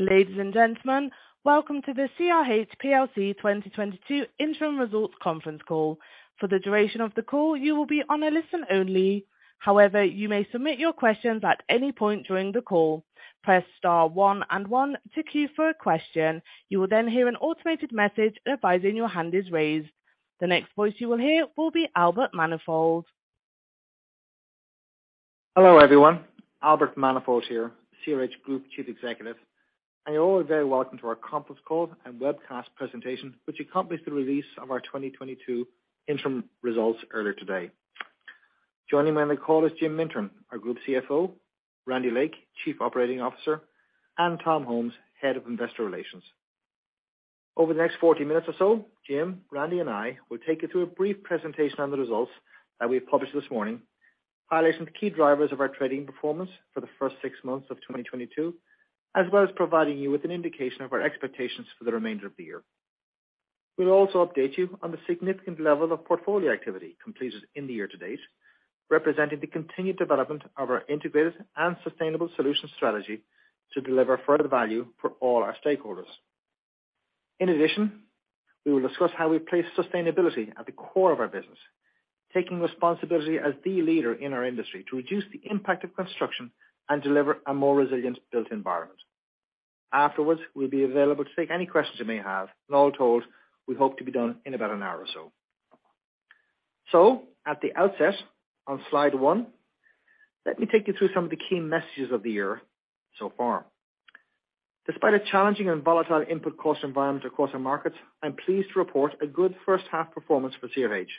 Ladies and gentlemen, welcome to the CRH plc 2022 interim results conference call. For the duration of the call, you will be on a listen only. However, you may submit your questions at any point during the call. Press star one and one to queue for a question. You will then hear an automated message advising your hand is raised. The next voice you will hear will be Albert Manifold. Hello, everyone. Albert Manifold here, CRH Group Chief Executive. You're all very welcome to our conference call and webcast presentation, which accompanies the release of our 2022 interim results earlier today. Joining me on the call is Jim Mintern, our Group CFO, Randy Lake, Chief Operating Officer, and Tom Holmes, Head of Investor Relations. Over the next 40 minutes or so, Jim, Randy and I will take you through a brief presentation on the results that we've published this morning, highlighting the key drivers of our trading performance for the first six months of 2022, as well as providing you with an indication of our expectations for the remainder of the year. We'll also update you on the significant level of portfolio activity completed in the year-to-date, representing the continued development of our integrated and sustainable solution strategy to deliver further value for all our stakeholders. In addition, we will discuss how we place sustainability at the core of our business, taking responsibility as the leader in our industry to reduce the impact of construction and deliver a more resilient built environment. Afterwards, we'll be available to take any questions you may have, and all told, we hope to be done in about an hour or so. At the outset, on Slide 1, let me take you through some of the key messages of the year so far. Despite a challenging and volatile input cost environment across our markets, I'm pleased to report a good first half performance for CRH.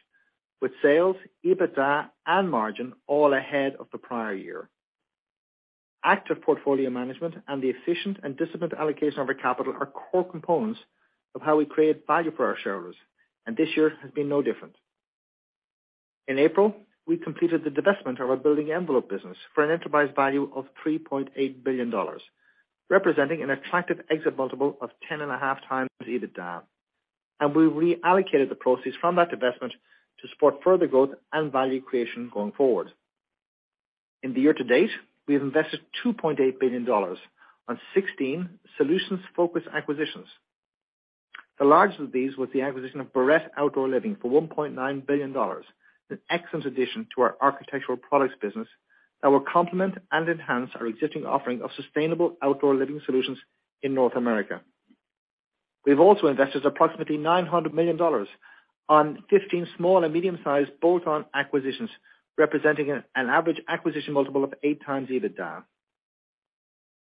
With sales, EBITDA and margin all ahead of the prior year. Active portfolio management and the efficient and disciplined allocation of our capital are core components of how we create value for our shareholders, and this year has been no different. In April, we completed the divestment of our building envelope business for an enterprise value of $3.8 billion, representing an attractive exit multiple of 10.5x EBITDA. We reallocated the proceeds from that divestment to support further growth and value creation going forward. In the year-to-date, we have invested $2.8 billion on 16 solutions-focused acquisitions. The largest of these was the acquisition of Barrette Outdoor Living for $1.9 billion. An excellent addition to our architectural products business that will complement and enhance our existing offering of sustainable outdoor living solutions in North America. We've also invested approximately $900 million on 15 small and medium-sized bolt-on acquisitions, representing an average acquisition multiple of 8x EBITDA.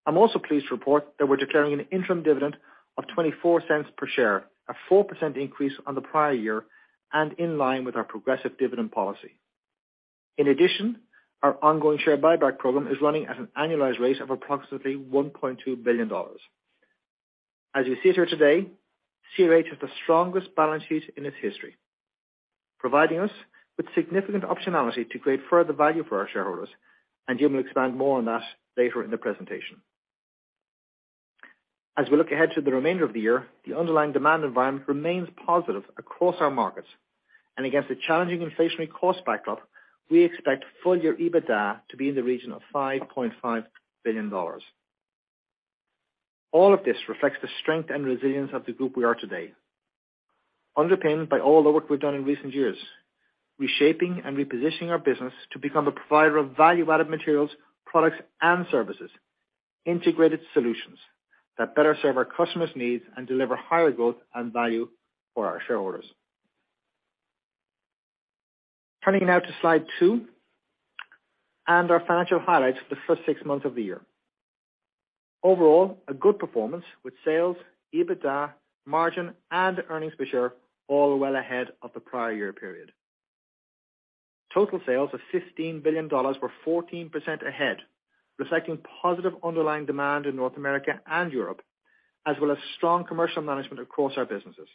I'm also pleased to report that we're declaring an interim dividend of $0.24 per share, a 4% increase on the prior year, and in line with our progressive dividend policy. In addition, our ongoing share buyback program is running at an annualized rate of approximately $1.2 billion. As you sit here today, CRH has the strongest balance sheet in its history, providing us with significant optionality to create further value for our shareholders, and Jim will expand more on that later in the presentation. As we look ahead to the remainder of the year, the underlying demand environment remains positive across our markets. Against a challenging inflationary cost backdrop, we expect full-year EBITDA to be in the region of $5.5 billion. All of this reflects the strength and resilience of the group we are today. Underpinned by all the work we've done in recent years, reshaping and repositioning our business to become a provider of value-added materials, products and services, integrated solutions that better serve our customers' needs and deliver higher growth and value for our shareholders. Turning now to Slide 2, and our financial highlights for the first six months of the year. Overall, a good performance with sales, EBITDA, margin, and earnings per share, all well ahead of the prior year period. Total sales of $15 billion were 14% ahead, reflecting positive underlying demand in North America and Europe, as well as strong commercial management across our businesses.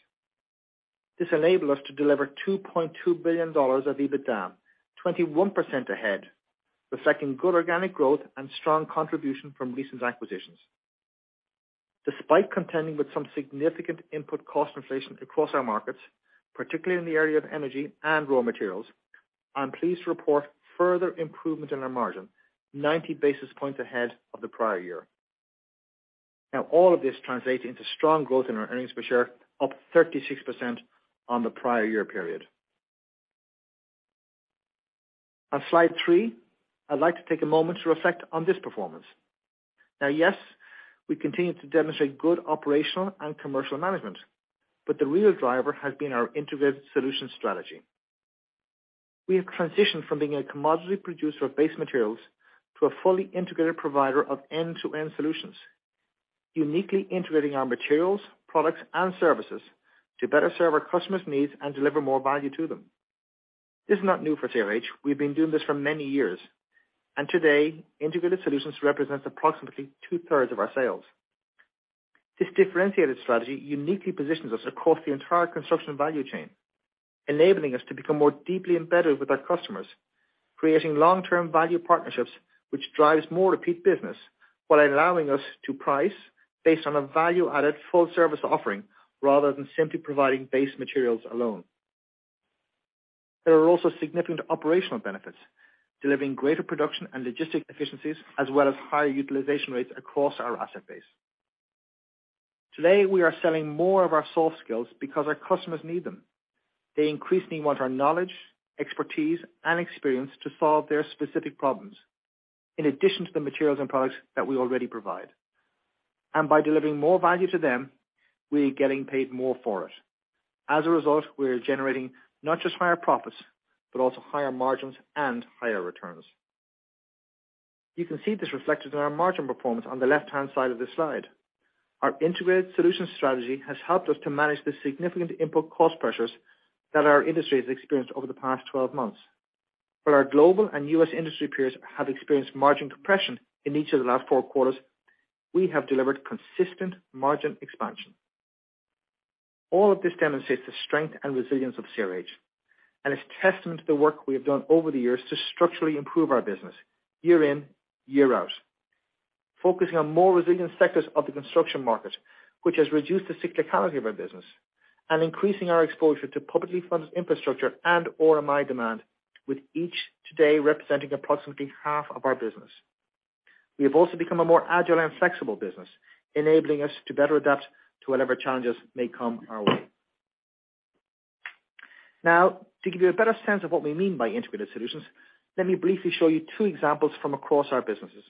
This enabled us to deliver $2.2 billion of EBITDA, 21% ahead, reflecting good organic growth and strong contribution from recent acquisitions. Despite contending with some significant input cost inflation across our markets, particularly in the area of energy and raw materials, I'm pleased to report further improvement in our margin, 90 basis points ahead of the prior year. Now all of this translates into strong growth in our earnings per share, up 36% on the prior year period. On Slide 3, I'd like to take a moment to reflect on this performance. Now yes, we continue to demonstrate good operational and commercial management, but the real driver has been our integrated solution strategy. We have transitioned from being a commodity producer of base materials to a fully integrated provider of end-to-end solutions, uniquely integrating our materials, products and services to better serve our customers' needs and deliver more value to them. This is not new for CRH. We've been doing this for many years, and today Integrated Solutions represents approximately 2/3 of our sales. This differentiated strategy uniquely positions us across the entire construction value chain, enabling us to become more deeply embedded with our customers, creating long-term value partnerships which drives more repeat business while allowing us to price based on a value-added full service offering rather than simply providing base materials alone. There are also significant operational benefits, delivering greater production and logistic efficiencies, as well as higher utilization rates across our asset base. Today, we are selling more of our soft skills because our customers need them. They increasingly want our knowledge, expertise, and experience to solve their specific problems, in addition to the materials and products that we already provide. By delivering more value to them, we are getting paid more for it. As a result, we are generating not just higher profits, but also higher margins and higher returns. You can see this reflected in our margin performance on the left-hand side of this slide. Our integrated solutions strategy has helped us to manage the significant input cost pressures that our industry has experienced over the past 12 months. While our global and U.S. industry peers have experienced margin compression in each of the last four quarters, we have delivered consistent margin expansion. All of this demonstrates the strength and resilience of CRH, and it's testament to the work we have done over the years to structurally improve our business year in, year out, focusing on more resilient sectors of the construction market, which has reduced the cyclicality of our business, and increasing our exposure to publicly funded infrastructure and RMI demand, with each today representing approximately half of our business. We have also become a more agile and flexible business, enabling us to better adapt to whatever challenges may come our way. Now, to give you a better sense of what we mean by integrated solutions, let me briefly show you two examples from across our businesses.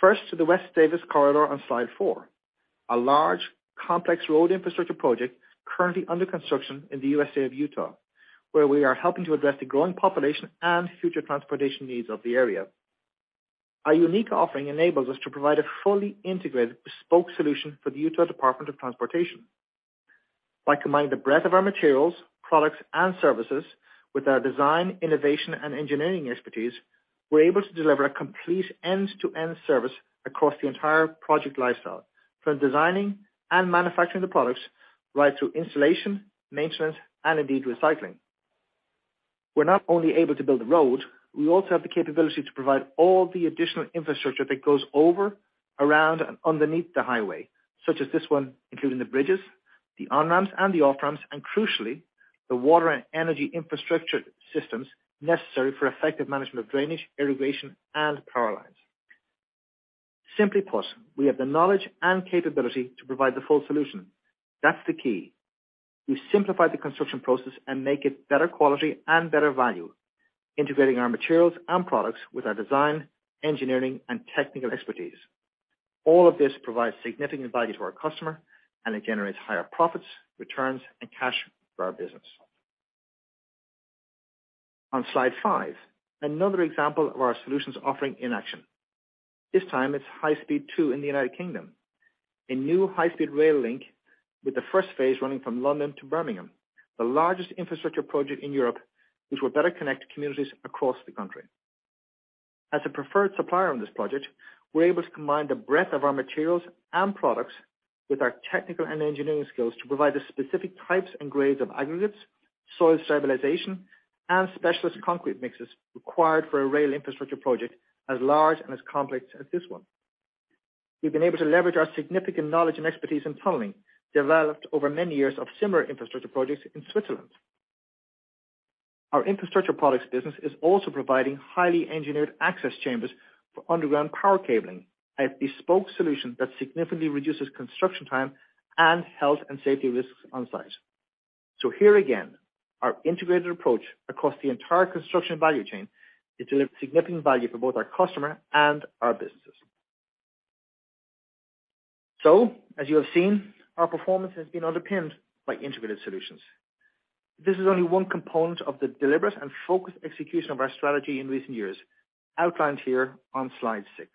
First, to the West Davis Corridor on Slide 4, a large, complex road infrastructure project currently under construction in the state of Utah, where we are helping to address the growing population and future transportation needs of the area. Our unique offering enables us to provide a fully integrated bespoke solution for the Utah Department of Transportation. By combining the breadth of our materials, products, and services with our design, innovation, and engineering expertise, we're able to deliver a complete end-to-end service across the entire project lifecycle, from designing and manufacturing the products, right through installation, maintenance, and indeed, recycling. We're not only able to build a road, we also have the capability to provide all the additional infrastructure that goes over, around, and underneath the highway, such as this one, including the bridges, the on-ramps and the off-ramps, and crucially, the water and energy infrastructure systems necessary for effective management of drainage, irrigation, and power lines. Simply put, we have the knowledge and capability to provide the full solution. That's the key. We simplify the construction process and make it better quality and better value, integrating our materials and products with our design, engineering, and technical expertise. All of this provides significant value to our customer, and it generates higher profits, returns, and cash for our business. On Slide 5, another example of our solutions offering in action. This time it's High Speed Two in the United Kingdom, a new high-speed rail link with the first phase running from London to Birmingham, the largest infrastructure project in Europe, which will better connect communities across the country. As a preferred supplier on this project, we're able to combine the breadth of our materials and products with our technical and engineering skills to provide the specific types and grades of aggregates, soil stabilization, and specialist concrete mixes required for a rail infrastructure project as large and as complex as this one. We've been able to leverage our significant knowledge and expertise in tunneling developed over many years of similar infrastructure projects in Switzerland. Our infrastructure products business is also providing highly engineered access chambers for underground power cabling, a bespoke solution that significantly reduces construction time and health and safety risks on site. Here again, our integrated approach across the entire construction value chain has delivered significant value for both our customer and our businesses. As you have seen, our performance has been underpinned by integrated solutions. This is only one component of the deliberate and focused execution of our strategy in recent years, outlined here on Slide 6.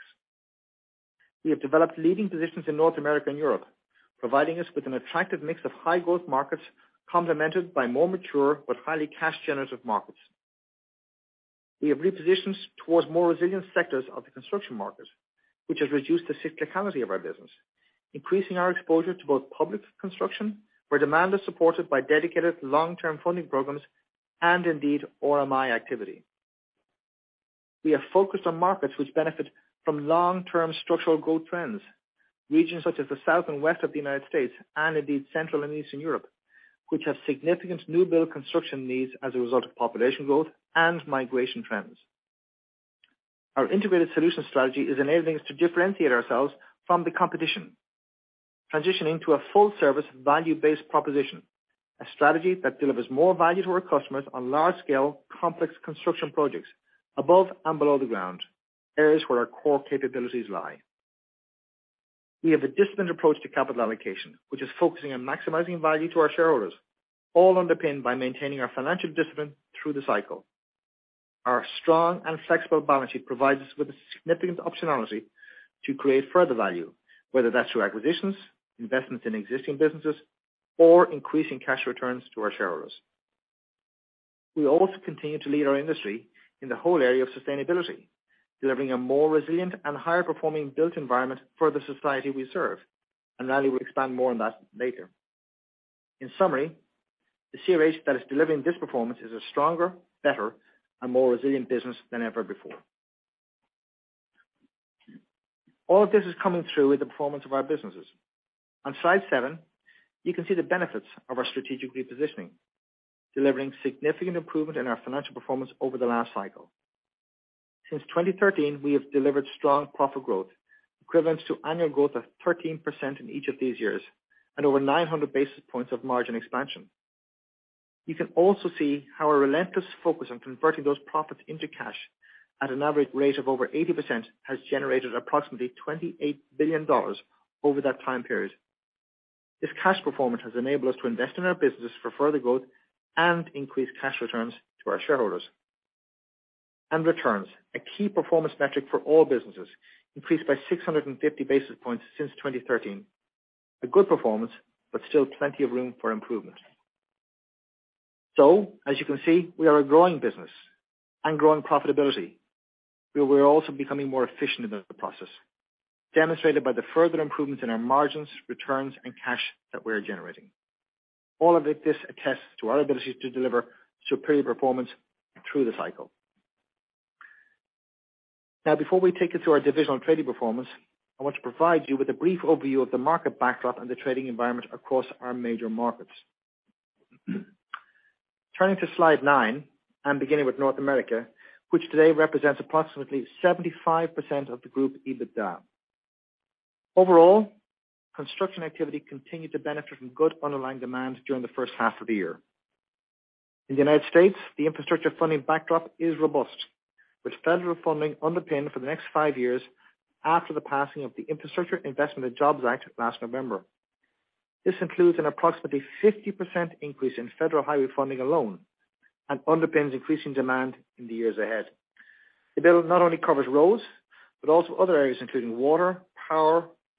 We have developed leading positions in North America and Europe, providing us with an attractive mix of high-growth markets complemented by more mature but highly cash-generative markets. We have repositioned towards more resilient sectors of the construction market, which has reduced the cyclicality of our business, increasing our exposure to both public construction, where demand is supported by dedicated long-term funding programs, and indeed RMI activity. We are focused on markets which benefit from long-term structural growth trends, regions such as the South and West of the United States and indeed, Central and Eastern Europe, which have significant new build construction needs as a result of population growth and migration trends. Our integrated solutions strategy is enabling us to differentiate ourselves from the competition, transitioning to a full-service, value-based proposition, a strategy that delivers more value to our customers on large-scale, complex construction projects above and below the ground, areas where our core capabilities lie. We have a disciplined approach to capital allocation, which is focusing on maximizing value to our shareholders, all underpinned by maintaining our financial discipline through the cycle. Our strong and flexible balance sheet provides us with a significant optionality to create further value, whether that's through acquisitions, investments in existing businesses, or increasing cash returns to our shareholders. We also continue to lead our industry in the whole area of sustainability, delivering a more resilient and higher-performing built environment for the society we serve, and Randy Lake will expand more on that later. In summary, the CRH that is delivering this performance is a stronger, better, and more resilient business than ever before. All of this is coming through with the performance of our businesses. On Slide 7, you can see the benefits of our strategic repositioning, delivering significant improvement in our financial performance over the last cycle. Since 2013, we have delivered strong profit growth, equivalent to annual growth of 13% in each of these years, and over 900 basis points of margin expansion. You can also see how our relentless focus on converting those profits into cash at an average rate of over 80% has generated approximately $28 billion over that time period. This cash performance has enabled us to invest in our businesses for further growth and increase cash returns to our shareholders. Returns, a key performance metric for all businesses, increased by 650 basis points since 2013. A good performance, but still plenty of room for improvement. As you can see, we are a growing business and growing profitability. We're also becoming more efficient about the process, demonstrated by the further improvements in our margins, returns, and cash that we are generating. All of this attests to our ability to deliver superior performance through the cycle. Now, before we take you through our divisional trading performance, I want to provide you with a brief overview of the market backdrop and the trading environment across our major markets. Turning to Slide 9 and beginning with North America, which today represents approximately 75% of the group EBITDA. Overall, construction activity continued to benefit from good underlying demand during the first half of the year. In the United States, the infrastructure funding backdrop is robust, with federal funding underpinned for the next five years after the passing of the Infrastructure Investment and Jobs Act last November. This includes an approximately 50% increase in federal highway funding alone and underpins increasing demand in the years ahead. The bill not only covers roads, but also other areas, including water,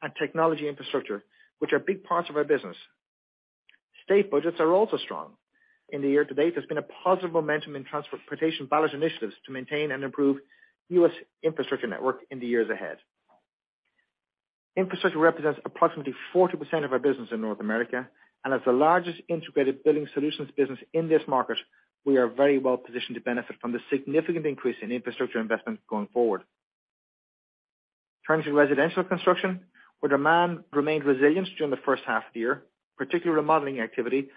power, and technology infrastructure, which are big parts of our business. State budgets are also strong. In the year-to-date, there's been a positive momentum in transportation ballot initiatives to maintain and improve U.S. infrastructure network in the years ahead. Infrastructure represents approximately 40% of our business in North America, and as the largest integrated building solutions business in this market, we are very well positioned to benefit from the significant increase in infrastructure investment going forward. Turning to residential construction, where demand remained resilient during the first half of the year, particularly remodeling activity,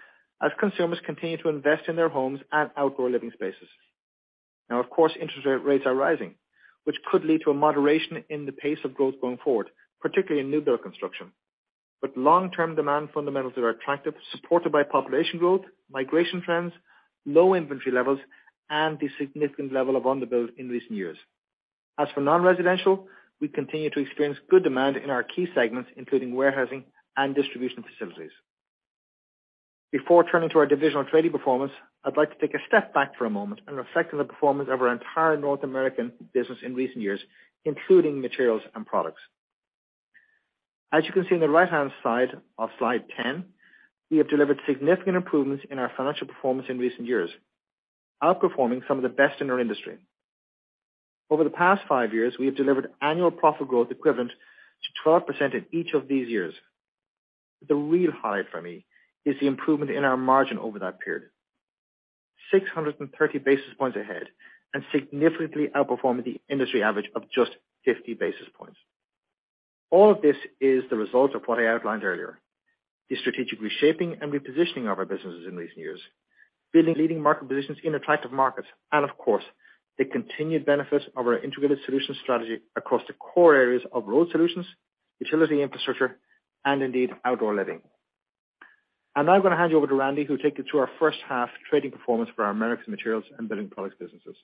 as consumers continued to invest in their homes and outdoor living spaces. Now, of course, interest rates are rising, which could lead to a moderation in the pace of growth going forward, particularly in new build construction. Long-term demand fundamentals are attractive, supported by population growth, migration trends, low inventory levels, and the significant level of underbuild in recent years. As for non-residential, we continue to experience good demand in our key segments, including warehousing and distribution facilities. Before turning to our divisional trading performance, I'd like to take a step back for a moment and reflect on the performance of our entire North American business in recent years, including materials and products. As you can see on the right-hand side of Slide 10, we have delivered significant improvements in our financial performance in recent years, outperforming some of the best in our industry. Over the past five years, we have delivered annual profit growth equivalent to 12% in each of these years. The real highlight for me is the improvement in our margin over that period. 630 basis points ahead and significantly outperforming the industry average of just 50 basis points. All of this is the result of what I outlined earlier, the strategic reshaping and repositioning of our businesses in recent years, building leading market positions in attractive markets, and of course, the continued benefit of our integrated solution strategy across the core areas of road solutions, utility infrastructure, and indeed outdoor living. I'm now gonna hand you over to Randy, who'll take you through our first half trading performance for our Americas Materials and Building Products businesses.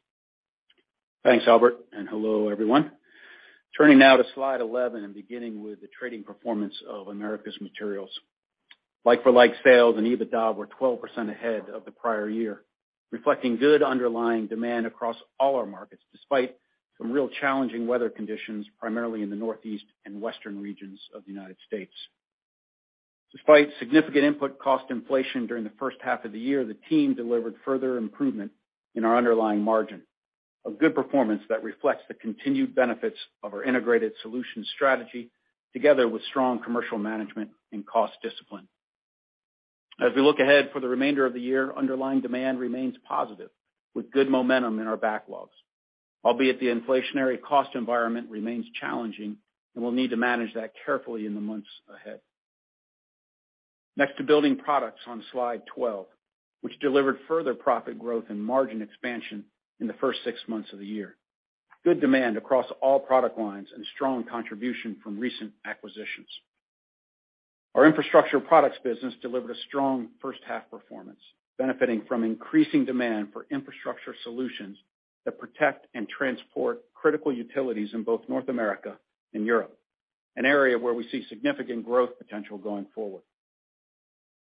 Thanks, Albert, and hello, everyone. Turning now to Slide 11 and beginning with the trading performance of Americas Materials. Like-for-like sales and EBITDA were 12% ahead of the prior year, reflecting good underlying demand across all our markets, despite some real challenging weather conditions, primarily in the Northeast and Western regions of the United States. Despite significant input cost inflation during the first half of the year, the team delivered further improvement in our underlying margin, a good performance that reflects the continued benefits of our integrated solution strategy together with strong commercial management and cost discipline. As we look ahead for the remainder of the year, underlying demand remains positive with good momentum in our backlogs, albeit the inflationary cost environment remains challenging, and we'll need to manage that carefully in the months ahead. Next to Building Products on Slide 12, which delivered further profit growth and margin expansion in the first six months of the year. Good demand across all product lines and strong contribution from recent acquisitions. Our Infrastructure Products business delivered a strong first half performance, benefiting from increasing demand for infrastructure solutions that protect and transport critical utilities in both North America and Europe, an area where we see significant growth potential going forward.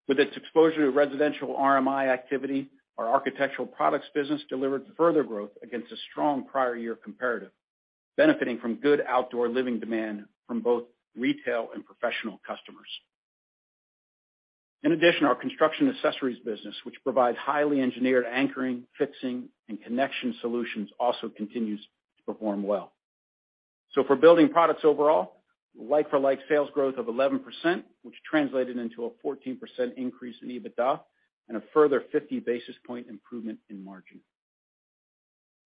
With its exposure to residential RMI activity, our Architectural Products business delivered further growth against a strong prior year comparative, benefiting from good outdoor living demand from both retail and professional customers. In addition, our construction accessories business, which provides highly engineered anchoring, fixing, and connection solutions, also continues to perform well. For building products overall, like-for-like sales growth of 11%, which translated into a 14% increase in EBITDA and a further 50 basis points improvement in margin.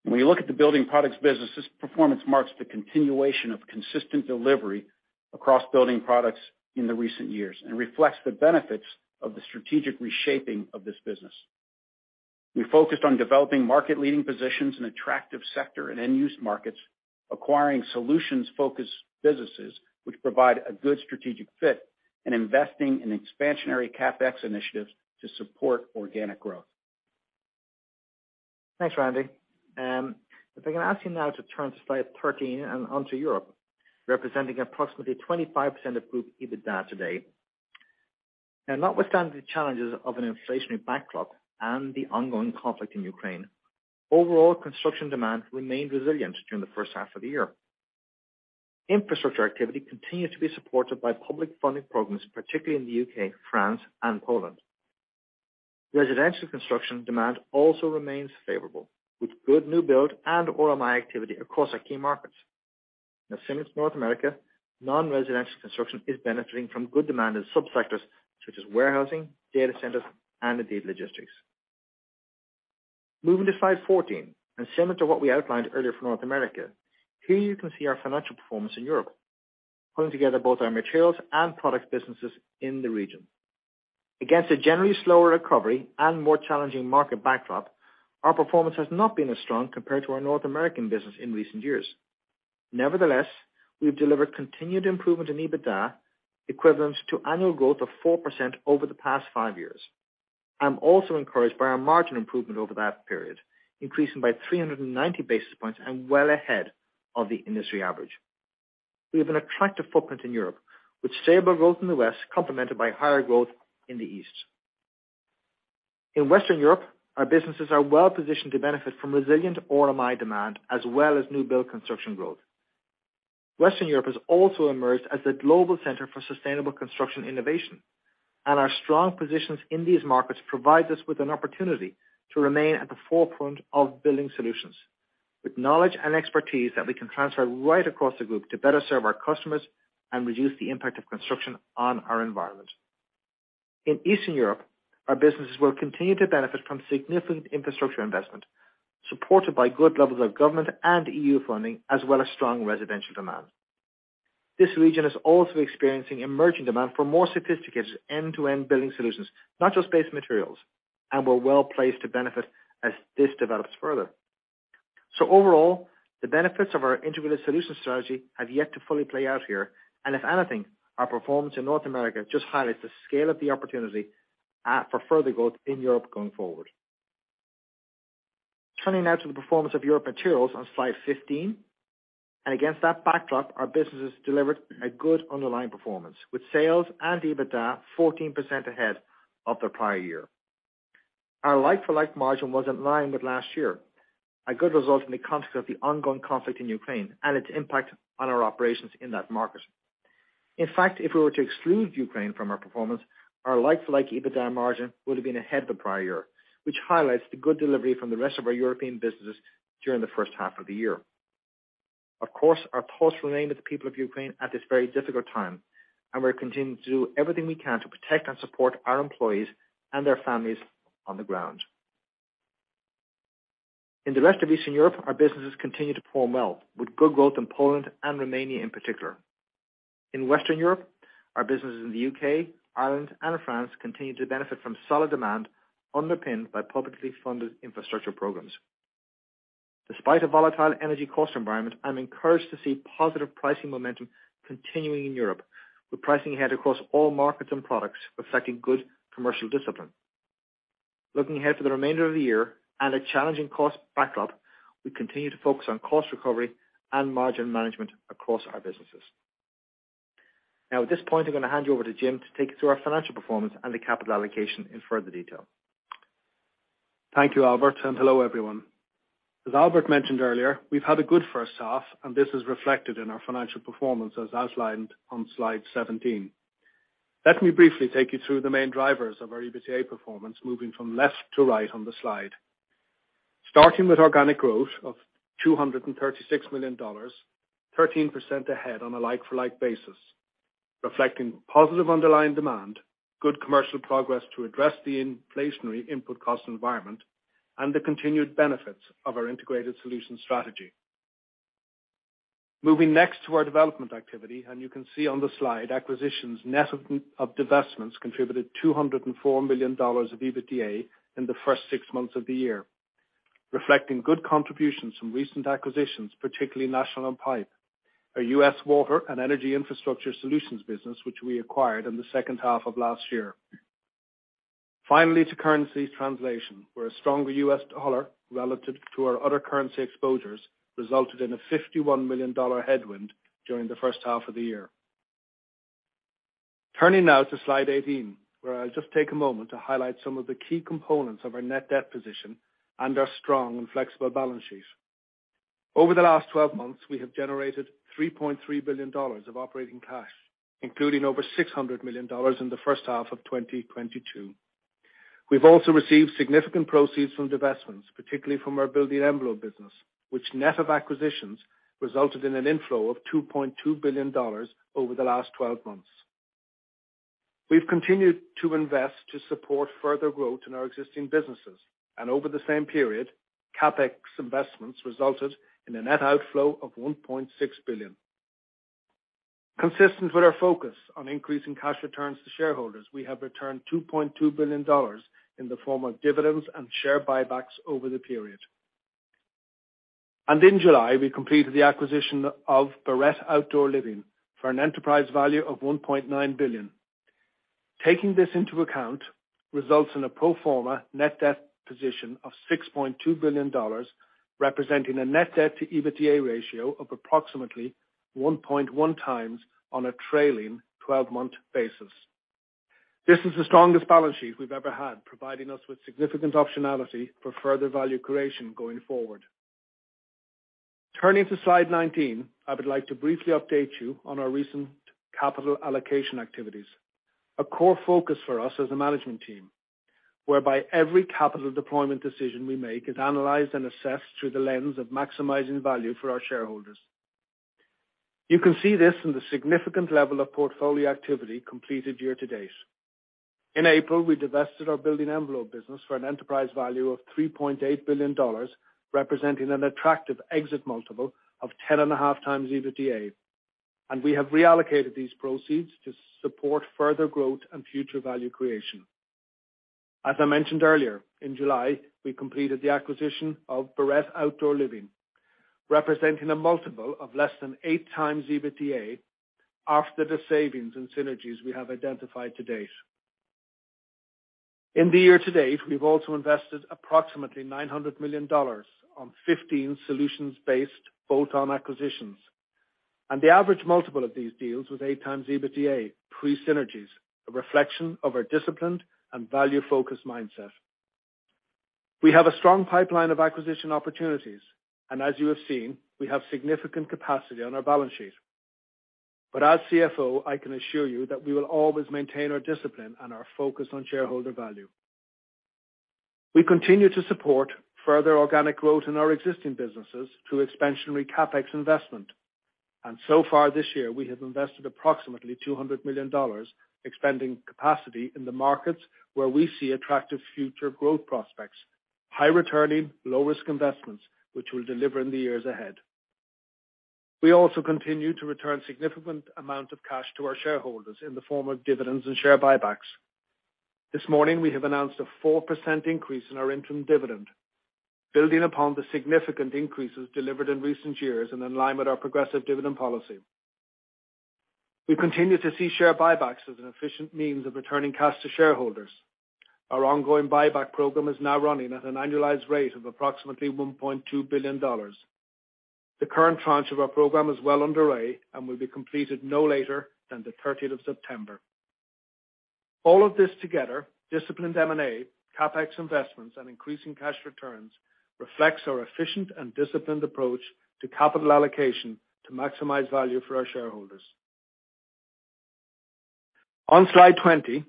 When you look at the building products business, this performance marks the continuation of consistent delivery across building products in the recent years and reflects the benefits of the strategic reshaping of this business. We focused on developing market-leading positions in attractive sector and end-use markets, acquiring solutions-focused businesses which provide a good strategic fit, and investing in expansionary CapEx initiatives to support organic growth. Thanks, Randy. If I can ask you now to turn to Slide 13 and onto Europe, representing approximately 25% of group EBITDA today. Now, notwithstanding the challenges of an inflationary backlog and the ongoing conflict in Ukraine, overall construction demand remained resilient during the first half of the year. Infrastructure activity continued to be supported by public funding programs, particularly in the U.K., France, and Poland. Residential construction demand also remains favorable, with good new build and RMI activity across our key markets. Now similar to North America, non-residential construction is benefiting from good demand in subsectors such as warehousing, data centers, and indeed logistics. Moving to Slide 14, and similar to what we outlined earlier for North America, here you can see our financial performance in Europe, pulling together both our materials and products businesses in the region. Against a generally slower recovery and more challenging market backdrop, our performance has not been as strong compared to our North American business in recent years. Nevertheless, we've delivered continued improvement in EBITDA equivalent to annual growth of 4% over the past five years. I'm also encouraged by our margin improvement over that period, increasing by 390 basis points and well ahead of the industry average. We have an attractive footprint in Europe, with stable growth in the West complemented by higher growth in the East. In Western Europe, our businesses are well positioned to benefit from resilient RMI demand as well as new build construction growth. Western Europe has also emerged as the global center for sustainable construction innovation, and our strong positions in these markets provides us with an opportunity to remain at the forefront of building solutions with knowledge and expertise that we can transfer right across the group to better serve our customers and reduce the impact of construction on our environment. In Eastern Europe, our businesses will continue to benefit from significant infrastructure investment, supported by good levels of government and EU funding, as well as strong residential demand. This region is also experiencing emerging demand for more sophisticated end-to-end building solutions, not just base materials, and we're well-placed to benefit as this develops further. Overall, the benefits of our integrated solution strategy have yet to fully play out here. If anything, our performance in North America just highlights the scale of the opportunity for further growth in Europe going forward. Turning now to the performance of Europe Materials on Slide 15. Against that backdrop, our businesses delivered a good underlying performance, with sales and EBITDA 14% ahead of the prior year. Our like-for-like margin was in line with last year, a good result in the context of the ongoing conflict in Ukraine and its impact on our operations in that market. In fact, if we were to exclude Ukraine from our performance, our like-for-like EBITDA margin would have been ahead of the prior year, which highlights the good delivery from the rest of our European businesses during the first half of the year. Of course, our thoughts remain with the people of Ukraine at this very difficult time, and we're continuing to do everything we can to protect and support our employees and their families on the ground. In the rest of Eastern Europe, our businesses continue to perform well, with good growth in Poland and Romania in particular. In Western Europe, our businesses in the U.K., Ireland, and France continue to benefit from solid demand underpinned by publicly funded infrastructure programs. Despite a volatile energy cost environment, I'm encouraged to see positive pricing momentum continuing in Europe, with pricing ahead across all markets and products reflecting good commercial discipline. Looking ahead for the remainder of the year at a challenging cost backdrop, we continue to focus on cost recovery and margin management across our businesses. Now at this point, I'm gonna hand you over to Jim to take us through our financial performance and the capital allocation in further detail. Thank you, Albert, and hello, everyone. As Albert mentioned earlier, we've had a good first half, and this is reflected in our financial performance as outlined on Slide 17. Let me briefly take you through the main drivers of our EBITDA performance, moving from left to right on the slide. Starting with organic growth of $236 million, 13% ahead on a like-for-like basis, reflecting positive underlying demand, good commercial progress to address the inflationary input cost environment, and the continued benefits of our integrated solution strategy. Moving next to our development activity, and you can see on the slide, acquisitions net of divestments contributed $204 million of EBITDA in the first six months of the year, reflecting good contributions from recent acquisitions, particularly National Pipe, our U.S. water and energy infrastructure solutions business, which we acquired in the second half of last year. Finally to currency translation, where a stronger U.S. dollar relative to our other currency exposures resulted in a $51 million headwind during the first half of the year. Turning now to Slide 18, where I'll just take a moment to highlight some of the key components of our net debt position and our strong and flexible balance sheet. Over the last 12 months, we have generated $3.3 billion of operating cash, including over $600 million in the first half of 2022. We've also received significant proceeds from divestments, particularly from our building envelope business, which net of acquisitions resulted in an inflow of $2.2 billion over the last 12 months. We've continued to invest to support further growth in our existing businesses, and over the same period, CapEx investments resulted in a net outflow of $1.6 billion. Consistent with our focus on increasing cash returns to shareholders, we have returned $2.2 billion in the form of dividends and share buybacks over the period. In July, we completed the acquisition of Barrette Outdoor Living for an enterprise value of $1.9 billion. Taking this into account results in a pro forma net debt position of $6.2 billion, representing a net debt to EBITDA ratio of approximately 1.1x on a trailing 12-month basis. This is the strongest balance sheet we've ever had, providing us with significant optionality for further value creation going forward. Turning to Slide 19, I would like to briefly update you on our recent capital allocation activities, a core focus for us as a management team, whereby every capital deployment decision we make is analyzed and assessed through the lens of maximizing value for our shareholders. You can see this in the significant level of portfolio activity completed year-to-date. In April, we divested our building envelope business for an enterprise value of $3.8 billion, representing an attractive exit multiple of 10.5x EBITDA. We have reallocated these proceeds to support further growth and future value creation. As I mentioned earlier, in July, we completed the acquisition of Barrette Outdoor Living, representing a multiple of less than 8x EBITDA after the savings and synergies we have identified to date. In the year-to-date, we've also invested approximately $900 million on 15 solutions-based bolt-on acquisitions, and the average multiple of these deals was 8x EBITDA pre-synergies, a reflection of our disciplined and value-focused mindset. We have a strong pipeline of acquisition opportunities, and as you have seen, we have significant capacity on our balance sheet. As CFO, I can assure you that we will always maintain our discipline and our focus on shareholder value. We continue to support further organic growth in our existing businesses through expansionary CapEx investment. So far this year, we have invested approximately $200 million expanding capacity in the markets where we see attractive future growth prospects, high returning, low-risk investments which will deliver in the years ahead. We also continue to return significant amount of cash to our shareholders in the form of dividends and share buybacks. This morning, we have announced a 4% increase in our interim dividend, building upon the significant increases delivered in recent years and in line with our progressive dividend policy. We continue to see share buybacks as an efficient means of returning cash to shareholders. Our ongoing buyback program is now running at an annualized rate of approximately $1.2 billion. The current tranche of our program is well underway and will be completed no later than the 13th of September. All of this together, disciplined M&A, CapEx investments, and increasing cash returns, reflects our efficient and disciplined approach to capital allocation to maximize value for our shareholders. On Slide 20,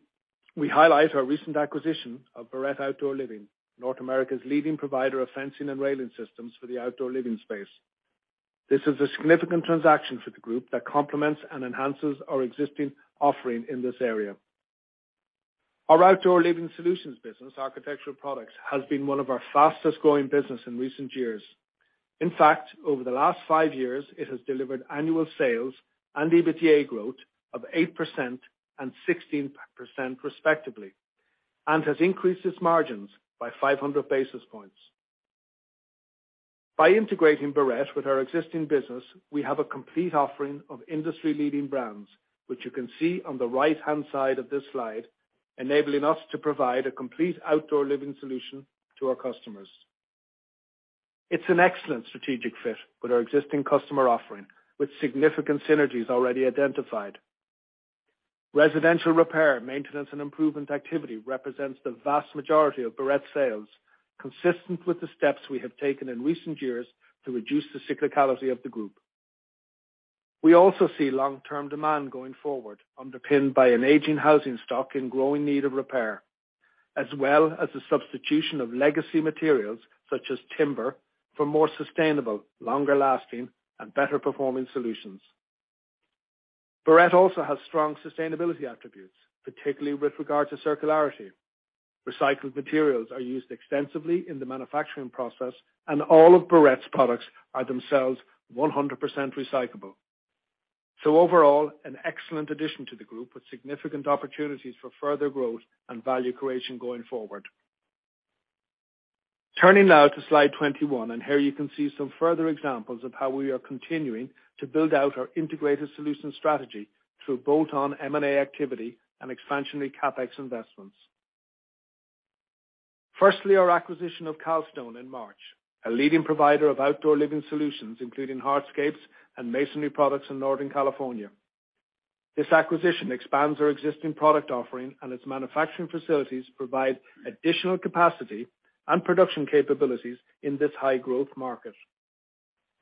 we highlight our recent acquisition of Barrette Outdoor Living, North America's leading provider of fencing and railing systems for the outdoor living space. This is a significant transaction for the group that complements and enhances our existing offering in this area. Our outdoor living solutions business, Architectural Products, has been one of our fastest-growing business in recent years. In fact, over the last five years, it has delivered annual sales and EBITDA growth of 8% and 16% respectively and has increased its margins by 500 basis points. By integrating Barrette with our existing business, we have a complete offering of industry-leading brands, which you can see on the right-hand side of this slide, enabling us to provide a complete outdoor living solution to our customers. It's an excellent strategic fit with our existing customer offering, with significant synergies already identified. Residential repair, maintenance, and improvement activity represents the vast majority of Barrette sales, consistent with the steps we have taken in recent years to reduce the cyclicality of the group. We also see long-term demand going forward, underpinned by an aging housing stock in growing need of repair, as well as the substitution of legacy materials such as timber for more sustainable, longer-lasting, and better-performing solutions. Barrette also has strong sustainability attributes, particularly with regard to circularity. Recycled materials are used extensively in the manufacturing process, and all of Barrette's products are themselves 100% recyclable. Overall, an excellent addition to the group with significant opportunities for further growth and value creation going forward. Turning now to Slide 21, and here you can see some further examples of how we are continuing to build out our integrated solution strategy through bolt-on M&A activity and expansionary CapEx investments. Firstly, our acquisition of Calstone in March, a leading provider of outdoor living solutions, including hardscapes and masonry products in Northern California. This acquisition expands our existing product offering, and its manufacturing facilities provide additional capacity and production capabilities in this high-growth market.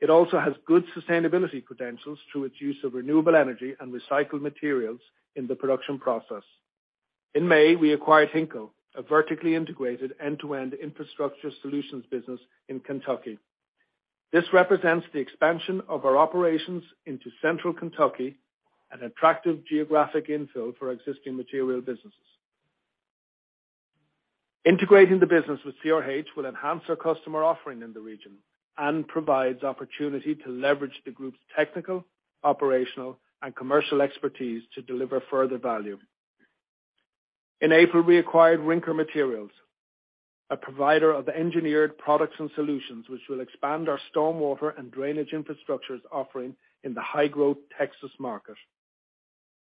It also has good sustainability credentials through its use of renewable energy and recycled materials in the production process. In May, we acquired Hinkle, a vertically integrated end-to-end infrastructure solutions business in Kentucky. This represents the expansion of our operations into central Kentucky, an attractive geographic infill for our existing material businesses. Integrating the business with CRH will enhance our customer offering in the region and provides opportunity to leverage the group's technical, operational, and commercial expertise to deliver further value. In April, we acquired Rinker Materials, a provider of engineered products and solutions which will expand our stormwater and drainage infrastructures offering in the high-growth Texas market.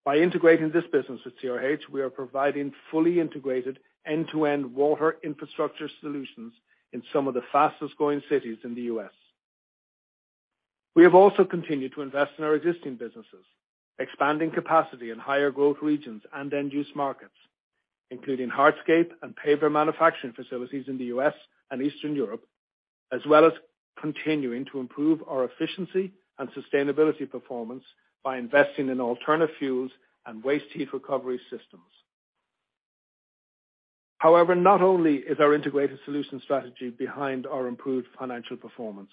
By integrating this business with CRH, we are providing fully integrated end-to-end water infrastructure solutions in some of the fastest-growing cities in the U.S. We have also continued to invest in our existing businesses, expanding capacity in higher growth regions and end-use markets, including hardscape and paver manufacturing facilities in the U.S. and Eastern Europe, as well as continuing to improve our efficiency and sustainability performance by investing in alternative fuels and waste heat recovery systems. However, not only is our integrated solution strategy behind our improved financial performance,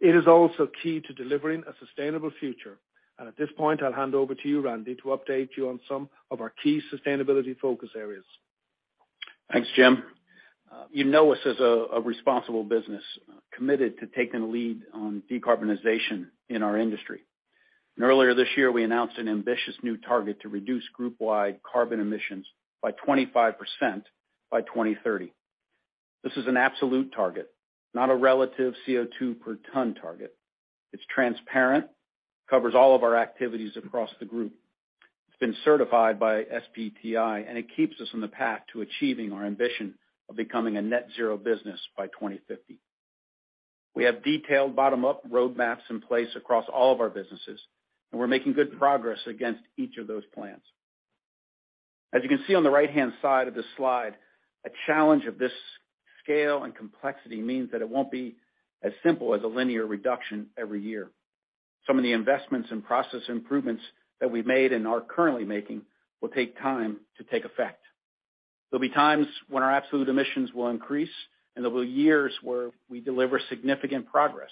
it is also key to delivering a sustainable future. At this point, I'll hand over to you, Randy, to update you on some of our key sustainability focus areas. Thanks, Jim. You know us as a responsible business, committed to taking the lead on decarbonization in our industry. Earlier this year, we announced an ambitious new target to reduce group-wide carbon emissions by 25% by 2030. This is an absolute target, not a relative CO2 per ton target. It's transparent, covers all of our activities across the group, it's been certified by SBTi, and it keeps us on the path to achieving our ambition of becoming a net zero business by 2050. We have detailed bottom-up roadmaps in place across all of our businesses, and we're making good progress against each of those plans. As you can see on the right-hand side of this slide, a challenge of this scale and complexity means that it won't be as simple as a linear reduction every year. Some of the investments and process improvements that we made and are currently making will take time to take effect. There'll be times when our absolute emissions will increase, and there will be years where we deliver significant progress.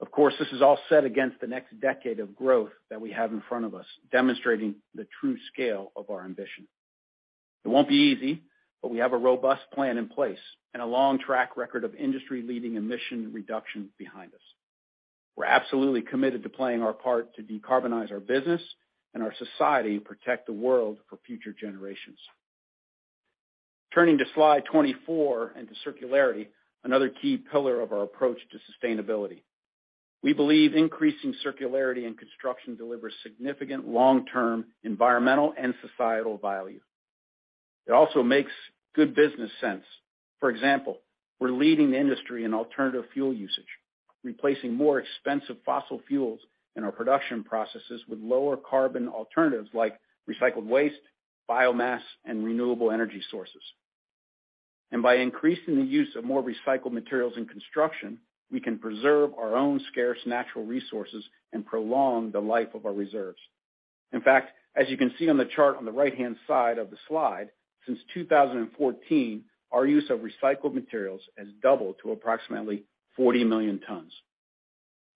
Of course, this is all set against the next decade of growth that we have in front of us, demonstrating the true scale of our ambition. It won't be easy, but we have a robust plan in place and a long track record of industry-leading emission reduction behind us. We're absolutely committed to playing our part to decarbonize our business and our society, protect the world for future generations. Turning to Slide 24 into circularity, another key pillar of our approach to sustainability. We believe increasing circularity in construction delivers significant long-term environmental and societal value. It also makes good business sense. For example, we're leading the industry in alternative fuel usage, replacing more expensive fossil fuels in our production processes with lower carbon alternatives like recycled waste, biomass, and renewable energy sources. By increasing the use of more recycled materials in construction, we can preserve our own scarce natural resources and prolong the life of our reserves. In fact, as you can see on the chart on the right-hand side of the slide, since 2014, our use of recycled materials has doubled to approximately 40 million tons.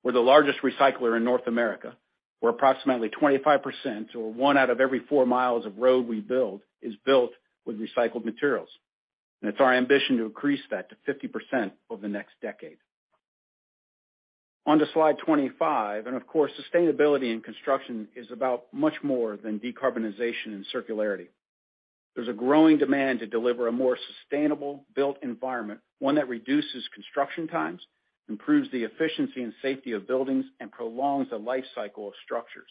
We're the largest recycler in North America, where approximately 25% or one out of every four miles of road we build is built with recycled materials. It's our ambition to increase that to 50% over the next decade. On to Slide 25. Of course, sustainability in construction is about much more than decarbonization and circularity. There's a growing demand to deliver a more sustainable built environment, one that reduces construction times, improves the efficiency and safety of buildings, and prolongs the life cycle of structures.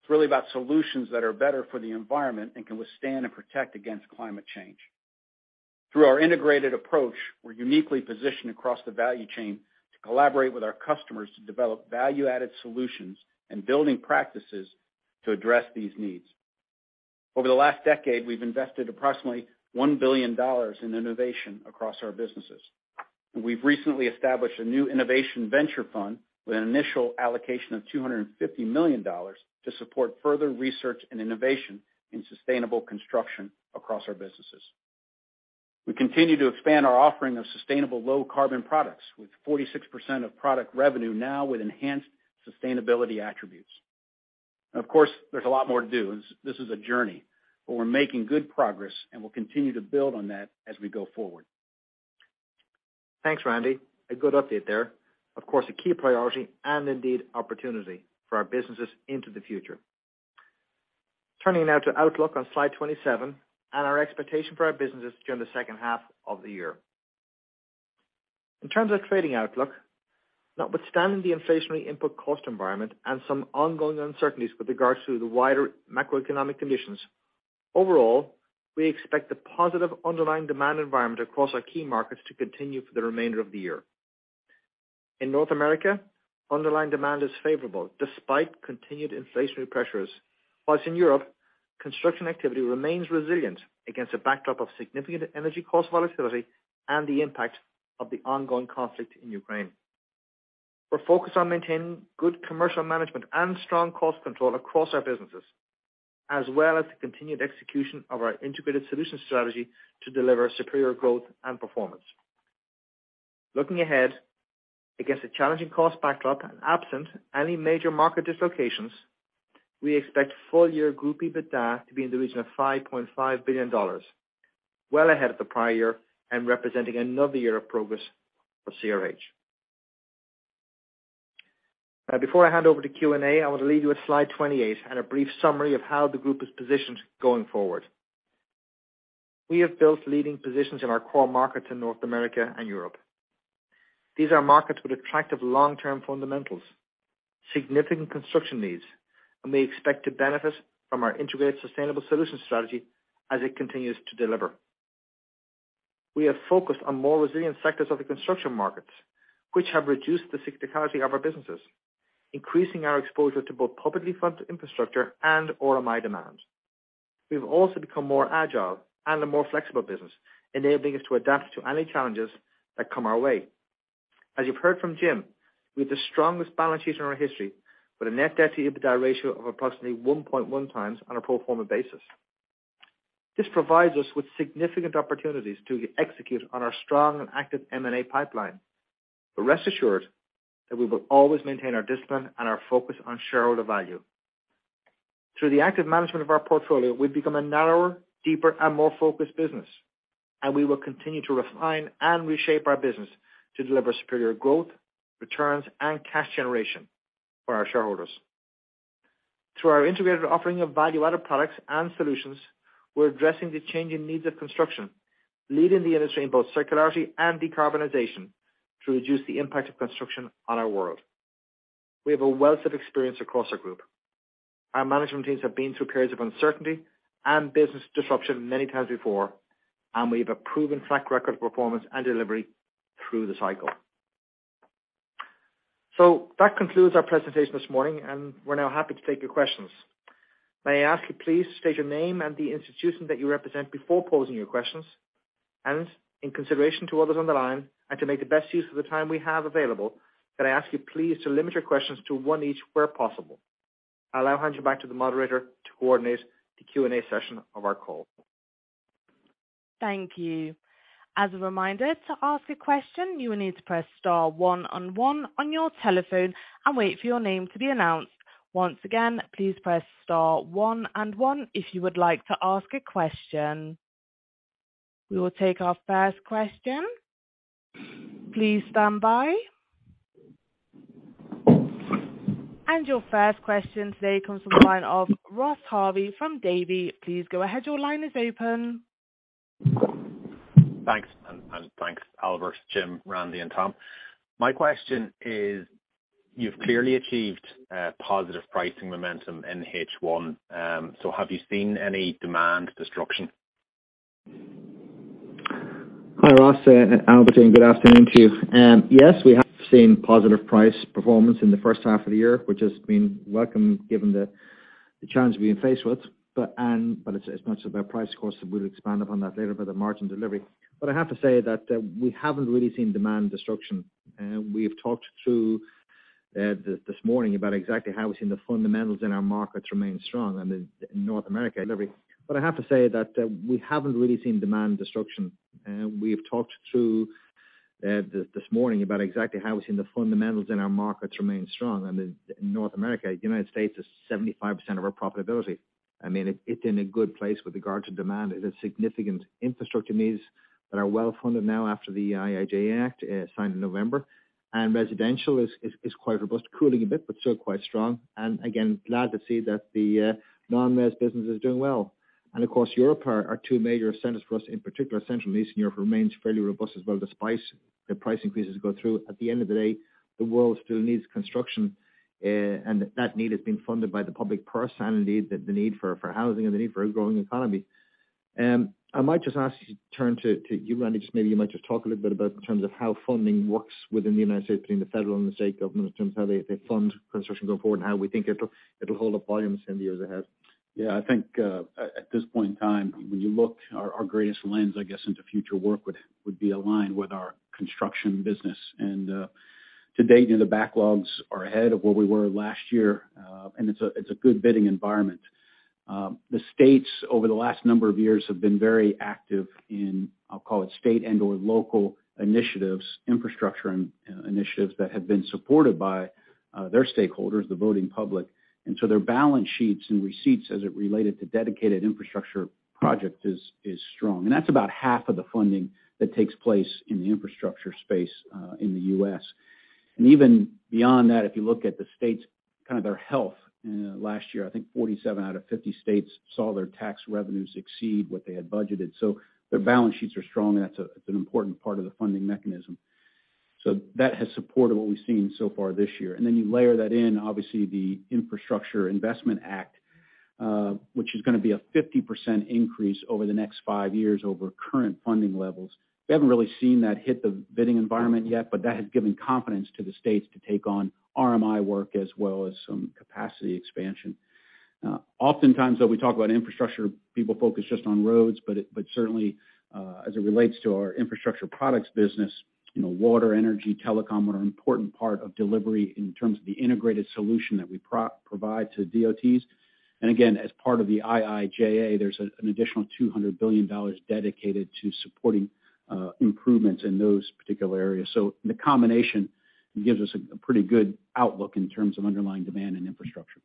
It's really about solutions that are better for the environment and can withstand and protect against climate change. Through our integrated approach, we're uniquely positioned across the value chain to collaborate with our customers to develop value-added solutions and building practices to address these needs. Over the last decade, we've invested approximately $1 billion in innovation across our businesses. We've recently established a new innovation venture fund with an initial allocation of $250 million to support further research and innovation in sustainable construction across our businesses. We continue to expand our offering of sustainable low carbon products with 46% of product revenue now with enhanced sustainability attributes. Of course, there's a lot more to do. This is a journey, but we're making good progress, and we'll continue to build on that as we go forward. Thanks, Randy. A good update there. Of course, a key priority and indeed opportunity for our businesses into the future. Turning now to outlook on Slide 27 and our expectation for our businesses during the second half of the year. In terms of trading outlook, notwithstanding the inflationary input cost environment and some ongoing uncertainties with regards to the wider macroeconomic conditions, overall, we expect the positive underlying demand environment across our key markets to continue for the remainder of the year. In North America, underlying demand is favorable despite continued inflationary pressures. While in Europe, construction activity remains resilient against a backdrop of significant energy cost volatility and the impact of the ongoing conflict in Ukraine. We're focused on maintaining good commercial management and strong cost control across our businesses, as well as the continued execution of our integrated solution strategy to deliver superior growth and performance. Looking ahead, against a challenging cost backdrop and absent any major market dislocations, we expect full year group EBITDA to be in the region of $5.5 billion, well ahead of the prior year and representing another year of progress for CRH. Now before I hand over to Q&A, I want to leave you with Slide 28 and a brief summary of how the group is positioned going forward. We have built leading positions in our core markets in North America and Europe. These are markets with attractive long-term fundamentals, significant construction needs, and we expect to benefit from our integrated sustainable solutions strategy as it continues to deliver. We have focused on more resilient sectors of the construction markets, which have reduced the cyclicality of our businesses, increasing our exposure to both publicly funded infrastructure and RMI demand. We've also become more agile and a more flexible business, enabling us to adapt to any challenges that come our way. As you've heard from Jim, we have the strongest balance sheet in our history with a net debt to EBITDA ratio of approximately 1.1x on a pro forma basis. This provides us with significant opportunities to execute on our strong and active M&A pipeline. Rest assured that we will always maintain our discipline and our focus on shareholder value. Through the active management of our portfolio, we've become a narrower, deeper, and more focused business, and we will continue to refine and reshape our business to deliver superior growth, returns, and cash generation for our shareholders. Through our integrated offering of value-added products and solutions, we're addressing the changing needs of construction, leading the industry in both circularity and decarbonization to reduce the impact of construction on our world. We have a wealth of experience across our group. Our management teams have been through periods of uncertainty and business disruption many times before, and we have a proven track record of performance and delivery through the cycle. That concludes our presentation this morning, and we're now happy to take your questions. May I ask you please state your name and the institution that you represent before posing your questions, and in consideration to others on the line and to make the best use of the time we have available, can I ask you please to limit your questions to one each where possible. I'll now hand you back to the moderator to coordinate the Q&A session of our call. Thank you. As a reminder to ask a question, you will need to press star one on one on your telephone and wait for your name to be announced. Once again, please press star one and one if you would like to ask a question. We will take our first question. Please stand by. Your first question today comes from the line of Ross Harvey from Davy. Please go ahead. Your line is open. Thanks, and thanks, Albert, Jim, Randy, and Tom. My question is, you've clearly achieved positive pricing momentum in H1. Have you seen any demand destruction? Hi, Ross. Albert, and good afternoon to you. Yes, we have seen positive price performance in the first half of the year, which has been welcome given the challenge we've been faced with. It's not so about price, of course, and we'll expand upon that later about the margin delivery. I have to say that we haven't really seen demand destruction. We've talked through this morning about exactly how we've seen the fundamentals in our markets remain strong. In North America, United States is 75% of our profitability. I mean, it's in a good place with regard to demand. It has significant infrastructure needs that are well-funded now after the IIJA Act signed in November. Residential is quite robust, cooling a bit, but still quite strong. Again, glad to see that the non-res business is doing well. Of course, Europe and Americas are two major centers for us. In particular, Central and Eastern Europe remains fairly robust as well, despite the price increases go through. At the end of the day, the world still needs construction. That need is being funded by the public purse and indeed the need for housing and the need for a growing economy. I might just ask you to turn to you, Randy. Just maybe you might just talk a little bit about in terms of how funding works within the United States between the federal and the state government in terms of how they fund construction going forward and how we think it'll hold up volumes in the years ahead. Yeah. I think at this point in time, when you look at our greatest lens, I guess, into future work would be aligned with our construction business. To date, you know, the backlogs are ahead of where we were last year. It's a good bidding environment. The states over the last number of years have been very active in, I'll call it state and/or local initiatives, infrastructure and initiatives that have been supported by their stakeholders, the voting public. Their balance sheets and receipts as it related to dedicated infrastructure projects is strong. That's about half of the funding that takes place in the infrastructure space in the U.S. Even beyond that, if you look at the states, kind of their health, last year, I think 47 out of 50 states saw their tax revenues exceed what they had budgeted. Their balance sheets are strong, and that's an important part of the funding mechanism. That has supported what we've seen so far this year. Then you layer that in, obviously, the Infrastructure Investment Act, which is gonna be a 50% increase over the next five years over current funding levels. We haven't really seen that hit the bidding environment yet, but that has given confidence to the states to take on RMI work as well as some capacity expansion. Oftentimes though we talk about infrastructure, people focus just on roads, but certainly, as it relates to our infrastructure products business, you know, water, energy, telecom are an important part of delivery in terms of the integrated solution that we provide to DOTs. Again, as part of the IIJA, there's an additional $200 billion dedicated to supporting improvements in those particular areas. The combination gives us a pretty good outlook in terms of underlying demand and infrastructure.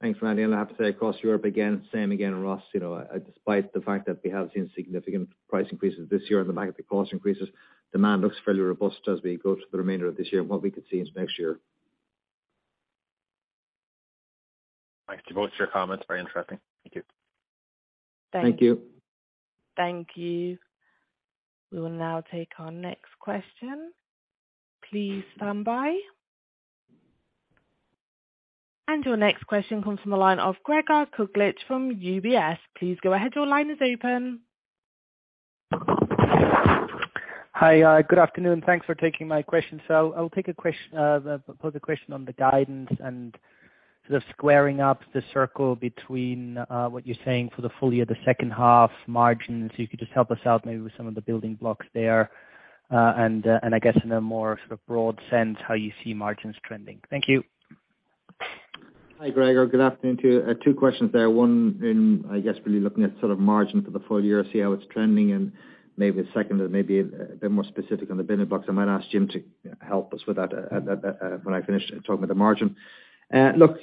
Thanks, Randy. I have to say across Europe, again, same again, Ross, you know, despite the fact that we have seen significant price increases this year on the back of the cost increases, demand looks fairly robust as we go to the remainder of this year and what we could see into next year. Thanks for both your comments. Very interesting. Thank you. Thank you. Thank you. We will now take our next question. Please stand by. Your next question comes from the line of Gregor Kuglitsch from UBS. Please go ahead. Your line is open. Hi, good afternoon. Thanks for taking my question. I will put the question on the guidance and sort of squaring up the circle between what you're saying for the full year, the second half margins. If you could just help us out maybe with some of the building blocks there, and I guess in a more sort of broad sense, how you see margins trending. Thank you. Hi, Gregor Kuglitsch. Good afternoon to you. Two questions there. One in, I guess, really looking at sort of margin for the full year, see how it's trending and maybe second and maybe a bit more specific on the bidding blocks. I might ask Jim Mintern to help us with that, when I finish talking about the margin. Look,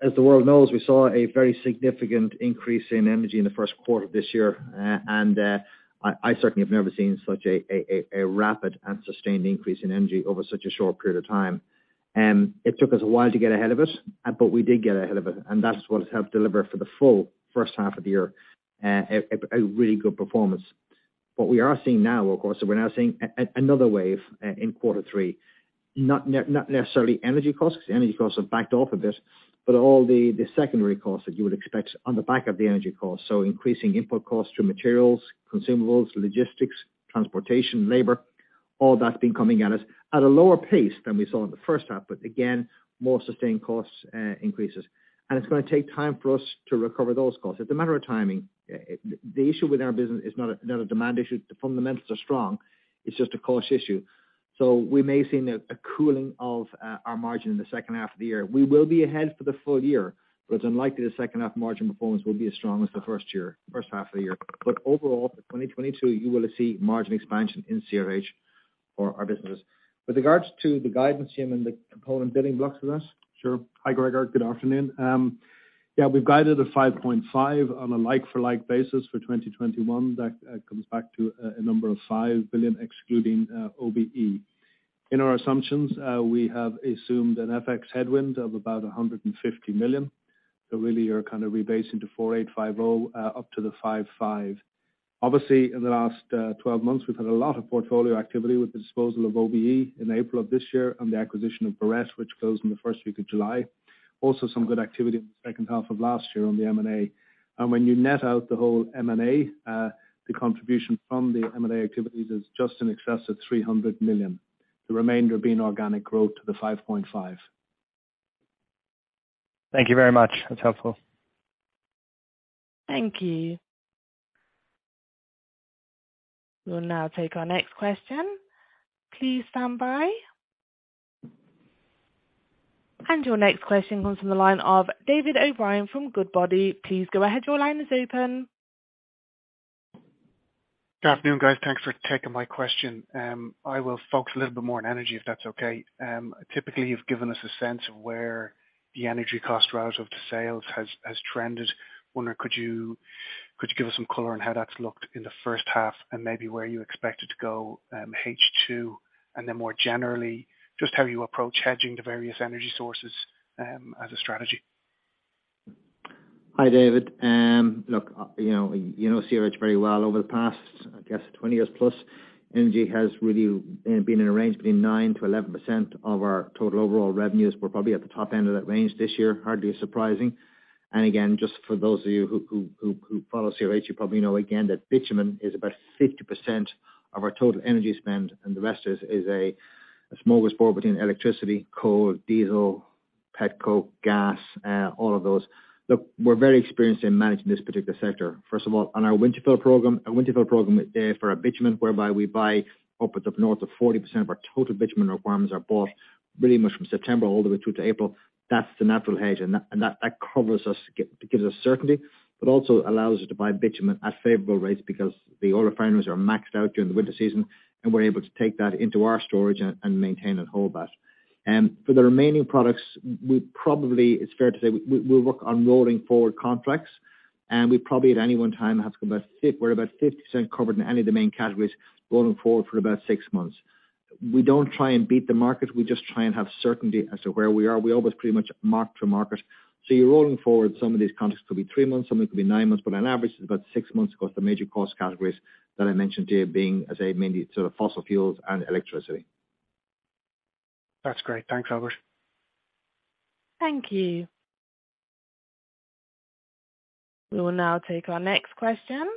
as the world knows, we saw a very significant increase in energy in the first quarter of this year. I certainly have never seen such a rapid and sustained increase in energy over such a short period of time. It took us a while to get ahead of it, but we did get ahead of it, and that's what has helped deliver for the full first half of the year, a really good performance. What we are seeing now, of course, we're now seeing another wave in quarter three, not necessarily energy costs. Energy costs have backed off a bit, but all the secondary costs that you would expect on the back of the energy costs. Increasing input costs to materials, consumables, logistics, transportation, labor, all that's been coming at us at a lower pace than we saw in the first half. More sustained cost increases. It's going to take time for us to recover those costs. It's a matter of timing. The issue with our business is not a demand issue. The fundamentals are strong. It's just a cost issue. We may have seen a cooling of our margin in the second half of the year. We will be ahead for the full year, but it's unlikely the second half margin performance will be as strong as the first half of the year. Overall, 2022, you will see margin expansion in CRH for our business. With regards to the guidance, Jim, and the component building blocks with us. Sure. Hi, Gregor. Good afternoon. Yeah, we've guided 5.5% on a like for like basis for 2021. That comes back to a number of $5 billion excluding OBE. In our assumptions, we have assumed an FX headwind of about $150 million. Really, you're kind of rebasing to $4.85 billion up to the $5.5 billion. Obviously, in the last 12 months, we've had a lot of portfolio activity with the disposal of OBE in April of this year and the acquisition of Barrette, which closed in the first week of July. Also some good activity in the second half of last year on the M&A. When you net out the whole M&A, the contribution from the M&A activities is just in excess of 300 million, the remainder being organic growth to the 5.5%. Thank you very much. That's helpful. Thank you. We'll now take our next question. Please stand by. Your next question comes from the line of David O'Brien from Goodbody. Please go ahead. Your line is open. Good afternoon, guys. Thanks for taking my question. I will focus a little bit more on energy, if that's okay. Typically, you've given us a sense of where the energy cost route of the sales has trended. Wondering, could you give us some color on how that's looked in the first half and maybe where you expect it to go, H2? More generally, just how you approach hedging the various energy sources as a strategy. Hi, David. Look, you know CRH very well over the past, I guess, 20+ years. Energy has really been in a range between 9%-11% of our total overall revenues. We're probably at the top end of that range this year, hardly surprising. Again, just for those of you who follow CRH, you probably know again that bitumen is about 50% of our total energy spend, and the rest is a smorgasbord between electricity, coal, diesel, petcoke, gas, all of those. Look, we're very experienced in managing this particular sector. First of all, on our winter fuel program, our winter fuel program is there for a bitumen whereby we buy upwards of north of 40% of our total bitumen requirements are bought really much from September all the way through to April. That's the natural hedge. That covers us, gives us certainty, but also allows us to buy bitumen at favorable rates because the oil refineries are maxed out during the winter season, and we're able to take that into our storage and maintain and hold that. For the remaining products, it's fair to say we work on rolling forward contracts, and at any one time we're about 50% covered in any of the main categories rolling forward for about six months. We don't try and beat the market, we just try and have certainty as to where we are. We always pretty much mark to market. You're rolling forward, some of these contracts could be three months, some of it could be nine months, but on average, it's about six months across the major cost categories that I mentioned here being, as I say, mainly sort of fossil fuels and electricity. That's great. Thanks, Albert. Thank you. We will now take our next question.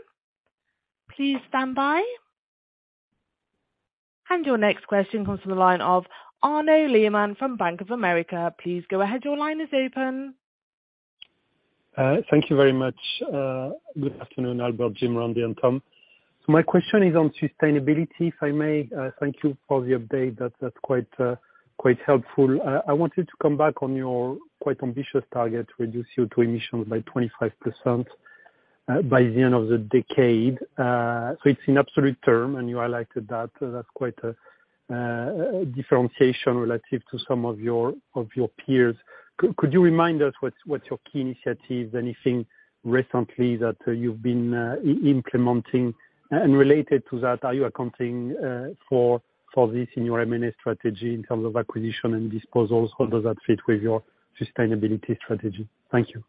Please stand by. Your next question comes from the line of Arnaud Lehmann from Bank of America. Please go ahead. Your line is open. Thank you very much. Good afternoon, Albert, Jim, Randy, and Tom. My question is on sustainability, if I may. Thank you for the update. That's quite helpful. I want you to come back on your quite ambitious target to reduce CO2 emissions by 25%, by the end of the decade. It's an absolute term, and you highlighted that. That's quite a differentiation relative to some of your peers. Could you remind us what's your key initiatives? Anything recently that you've been implementing? Related to that, are you accounting for this in your M&A strategy in terms of acquisition and disposals? How does that fit with your sustainability strategy? Thank you.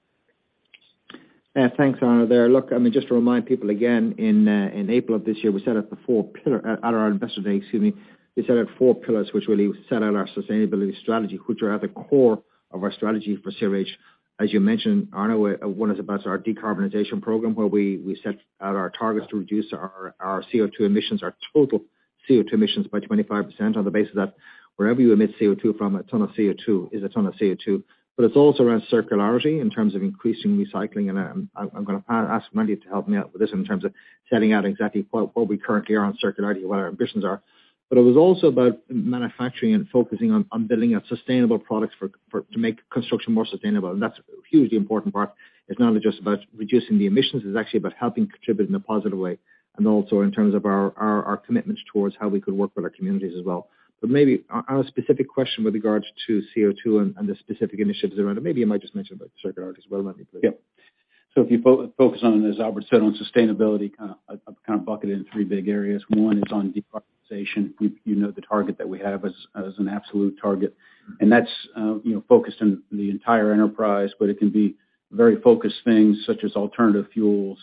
Thanks, Arnaud, there. Look, I mean, just to remind people again, in April of this year, at our Investor Day, excuse me. We set out four pillars which really set out our sustainability strategy, which are at the core of our strategy for CRH. As you mentioned, Arnaud, one is about our decarbonization program where we set out our targets to reduce our CO2 emissions, our total CO2 emissions by 25%. On the base of that, wherever you emit CO2 from, a ton of CO2 is a ton of CO2. But it's also around circularity in terms of increasing recycling, and I'm gonna ask Randy to help me out with this in terms of setting out exactly where we currently are on circularity and what our ambitions are. It was also about manufacturing and focusing on building out sustainable products to make construction more sustainable. That's a hugely important part. It's not only just about reducing the emissions, it's actually about helping contribute in a positive way, and also in terms of our commitments towards how we could work with our communities as well. Maybe on a specific question with regards to CO2 and the specific initiatives around it. Maybe you might just mention about the circularity as well, Randy, please. Yeah. If you focus on, as Albert said, on sustainability, kind of, I'll kind of bucket it in three big areas. One is on decarbonization. We, you know, the target that we have as an absolute target. That's, you know, focused in the entire enterprise, but it can be very focused things such as alternative fuels,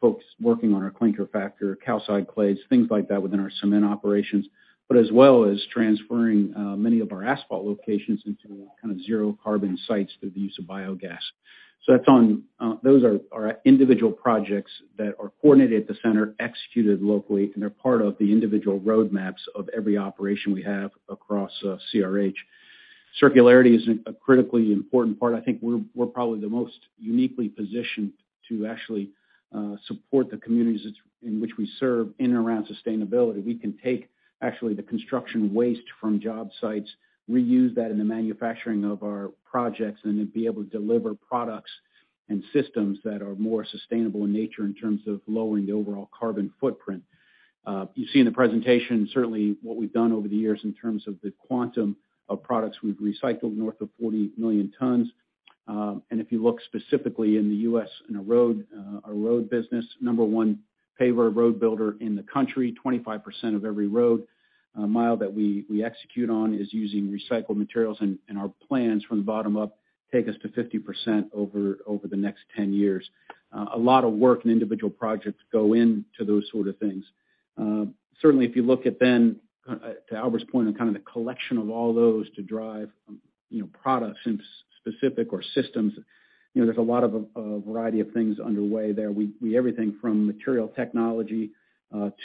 folks working on our clinker factor, calcined clays, things like that within our cement operations. As well as transferring many of our asphalt locations into kind of zero carbon sites through the use of biogas. Those are individual projects that are coordinated at the center, executed locally, and they're part of the individual roadmaps of every operation we have across CRH. Circularity is a critically important part. I think we're probably the most uniquely positioned to actually support the communities in which we serve in and around sustainability. We can take actually the construction waste from job sites, reuse that in the manufacturing of our projects, and then be able to deliver products and systems that are more sustainable in nature in terms of lowering the overall carbon footprint. You see in the presentation, certainly what we've done over the years in terms of the quantum of products we've recycled, north of 40 million tons. If you look specifically in the U.S. in a road, our road business, Number 1 paver road builder in the country. 25% of every road mile that we execute on is using recycled materials and our plans from the bottom up take us to 50% over the next 10 years. A lot of work and individual projects go into those sort of things. Certainly if you look at then to Albert's point on kind of the collection of all those to drive, you know, products in specific or systems, you know, there's a lot of a variety of things underway there. We everything from material technology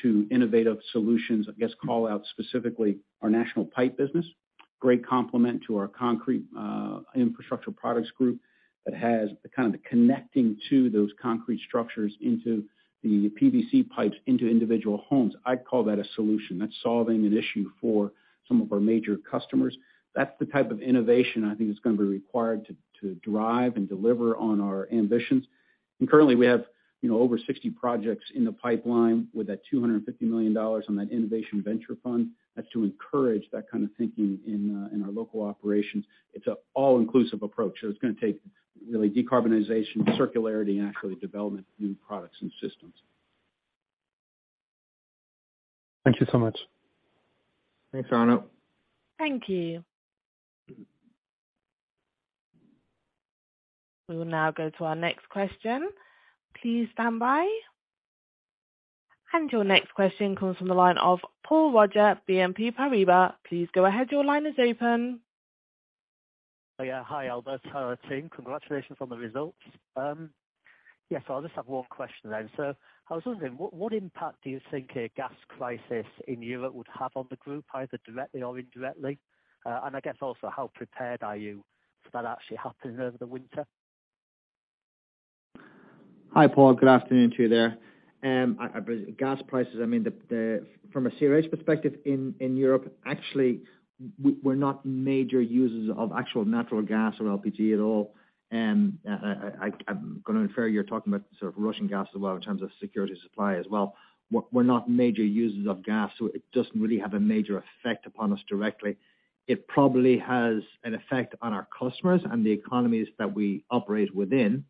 to innovative solutions, I guess, call out specifically our National Pipe business. Great complement to our concrete infrastructure products group that has kind of the connecting to those concrete structures into the PVC pipes into individual homes. I'd call that a solution. That's solving an issue for some of our major customers. That's the type of innovation I think is gonna be required to drive and deliver on our ambitions. Currently, we have, you know, over 60 projects in the pipeline with that $250 million on that innovation venture fund. That's to encourage that kind of thinking in our local operations. It's an all-inclusive approach. It's gonna take really decarbonization, circularity, and actually development of new products and systems. Thank you so much. Thanks, Arnaud. Thank you. We will now go to our next question. Please stand by. Your next question comes from the line of Paul Roger, BNP Paribas. Please go ahead. Your line is open. Yeah. Hi, Albert. Hi, team. Congratulations on the results. Yeah, so I just have one question then. I was wondering what impact do you think a gas crisis in Europe would have on the group, either directly or indirectly? And I guess also how prepared are you if that actually happens over the winter? Hi, Paul. Good afternoon to you there. I believe gas prices from a CRH perspective in Europe, actually we're not major users of actual natural gas or LPG at all. I'm gonna infer you're talking about sort of Russian gas as well in terms of security of supply as well. We're not major users of gas, so it doesn't really have a major effect upon us directly. It probably has an effect on our customers and the economies that we operate within,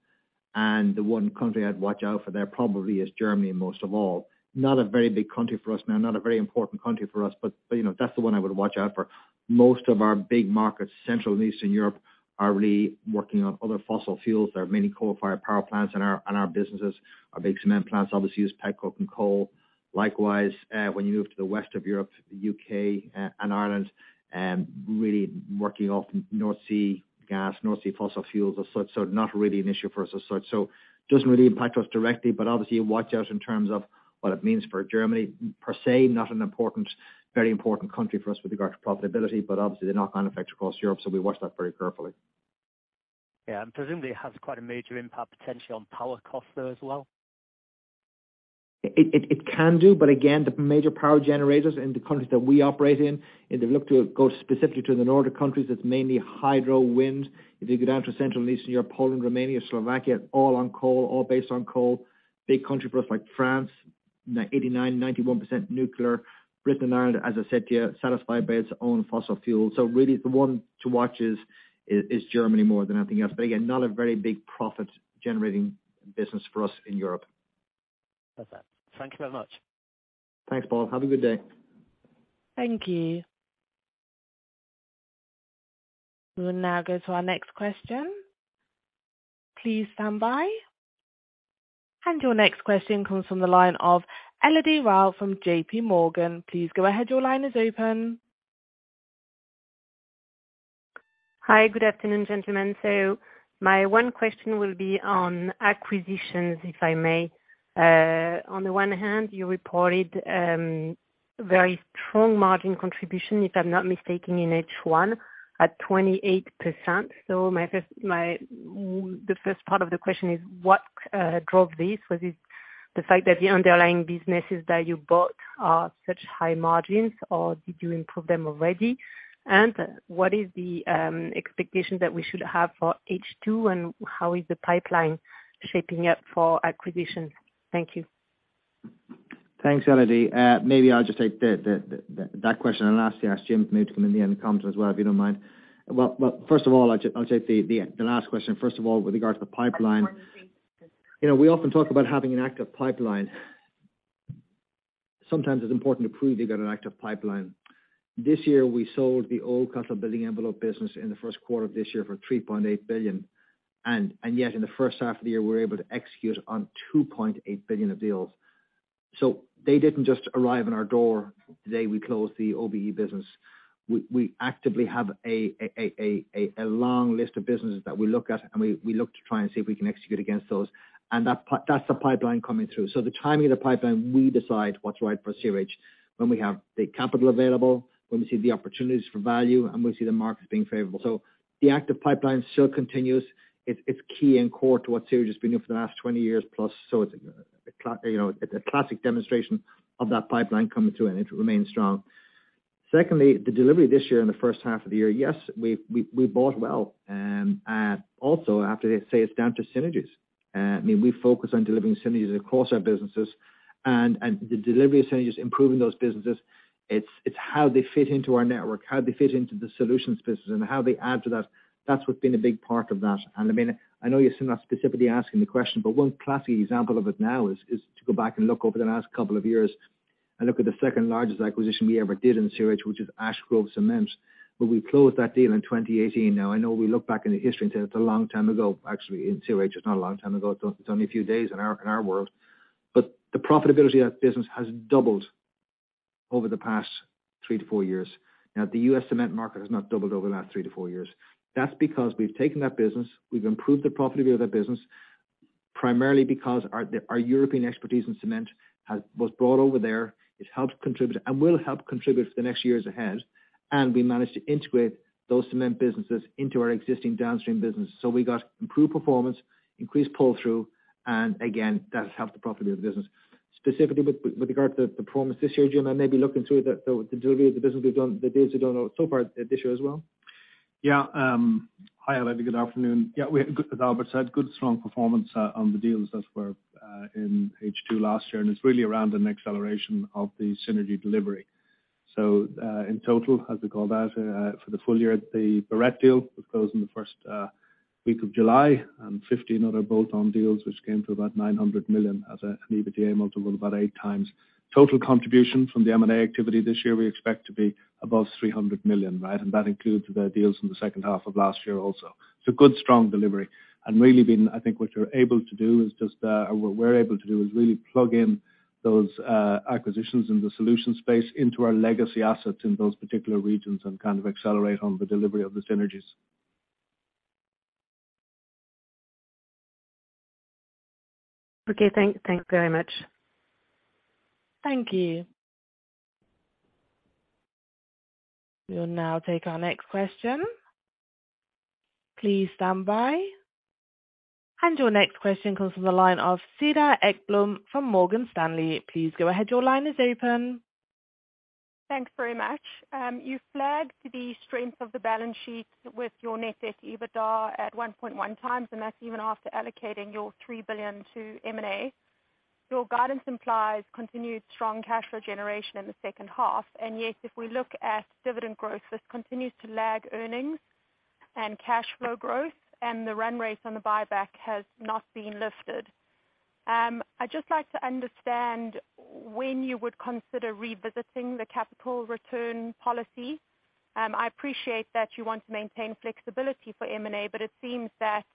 and the one country I'd watch out for there probably is Germany most of all. Not a very big country for us, nor a very important country for us, but you know, that's the one I would watch out for. Most of our big markets, Central and Eastern Europe, are really working on other fossil fuels. There are many coal-fired power plants in our businesses. Our big cement plants obviously use petcoke and coal. Likewise, when you move to the west of Europe, the U.K., and Ireland, really working off North Sea gas, North Sea fossil fuels as such, so not really an issue for us as such. Doesn't really impact us directly, but obviously you watch out in terms of what it means for Germany. Per se, very important country for us with regard to profitability, but obviously the knock-on effect across Europe, so we watch that very carefully. Yeah, presumably it has quite a major impact potentially on power costs, though, as well. It can do, but again, the major power generators in the countries that we operate in. If you look to go specifically to the northern countries, it's mainly hydro wind. If you go down to Central and Eastern Europe, Poland, Romania, Slovakia, all on coal, all based on coal. Big country for us like France, 89%-91% nuclear. Britain and Ireland, as I said to you, satisfied by its own fossil fuel. Really the one to watch is Germany more than anything else. Again, not a very big profit-generating business for us in Europe. Perfect. Thank you very much. Thanks, Paul. Have a good day. Thank you. We will now go to our next question. Please stand by. Your next question comes from the line of Elodie Rall from JPMorgan. Please go ahead. Your line is open. Hi, good afternoon, gentlemen. My one question will be on acquisitions, if I may. On the one hand, you reported very strong margin contribution, if I'm not mistaken, in H1 at 28%. My first part of the question is what drove this? Was it the fact that the underlying businesses that you bought are such high margins, or did you improve them already? What is the expectation that we should have for H2, and how is the pipeline shaping up for acquisitions? Thank you. Thanks, Elodie. Maybe I'll just take that question, and lastly ask Jim maybe to come in at the end and comment as well, if you don't mind. Well, first of all, I'll take the last question. First of all, with regards to the pipeline. You know, we often talk about having an active pipeline. Sometimes it's important to prove you've got an active pipeline. This year we sold the Oldcastle Building Envelope business in the first quarter of this year for 3.8 billion. Yet in the first half of the year we were able to execute on 2.8 billion of deals. They didn't just arrive at our door the day we closed the OBE business. We actively have a long list of businesses that we look at, and we look to try and see if we can execute against those. That's the pipeline coming through. The timing of the pipeline, we decide what's right for CRH when we have the capital available, when we see the opportunities for value, and we see the market being favorable. The active pipeline still continues. It's key and core to what CRH has been doing for the last 20+ years, you know, it's a classic demonstration of that pipeline coming through and it remains strong. Secondly, the delivery this year in the first half of the year, yes, we bought well. Also I have to say it's down to synergies. I mean, we focus on delivering synergies across our businesses. The delivery of synergies, improving those businesses, it's how they fit into our network, how they fit into the solutions business and how they add to that. That's what's been a big part of that. I mean, I know you're still not specifically asking the question, but one classic example of it now is to go back and look over the last couple of years and look at the second-largest acquisition we ever did in CRH, which is Ash Grove Cement. We closed that deal in 2018. Now I know we look back in the history and say that's a long time ago. Actually, in CRH, it's not a long time ago. It's only a few days in our world. The profitability of that business has doubled over the past 3-4 years. Now, the US cement market has not doubled over the last 3-4 years. That's because we've taken that business, we've improved the profitability of that business, primarily because our European expertise in cement was brought over there. It helped contribute, and will help contribute for the next years ahead. We managed to integrate those cement businesses into our existing downstream business. We got improved performance, increased pull-through, and again, that has helped the profitability of the business. Specifically with regard to the performance this year, Jim, and maybe looking through the delivery of the deals we've done so far this year as well. Yeah. Hi Elodie, good afternoon. Yeah, we had, as Albert said, good strong performance on the deals as we were in H2 last year, and it's really around an acceleration of the synergy delivery. In total, as we call that, for the full year, the Barrette deal which closed in the first week of July, and 15 other bolt-on deals which came to about $900 million as an EBITDA multiple of about 8x. Total contribution from the M&A activity this year we expect to be above $300 million, right? That includes the deals from the second half of last year also. Good, strong delivery. I think what you're able to do is just, or what we're able to do is really plug in those acquisitions in the solution space into our legacy assets in those particular regions and kind of accelerate on the delivery of the synergies. Okay. Thank you very much. Thank you. We will now take our next question. Please stand by. Your next question comes from the line of Cedar Ekblom from Morgan Stanley. Please go ahead. Your line is open. Thanks very much. You flagged the strength of the balance sheet with your net debt EBITDA at 1.1x, and that's even after allocating your 3 billion to M&A. Your guidance implies continued strong cash flow generation in the second half, and yet if we look at dividend growth, this continues to lag earnings and cash flow growth and the run rate on the buyback has not been lifted. I'd just like to understand when you would consider revisiting the capital return policy. I appreciate that you want to maintain flexibility for M&A, but it seems that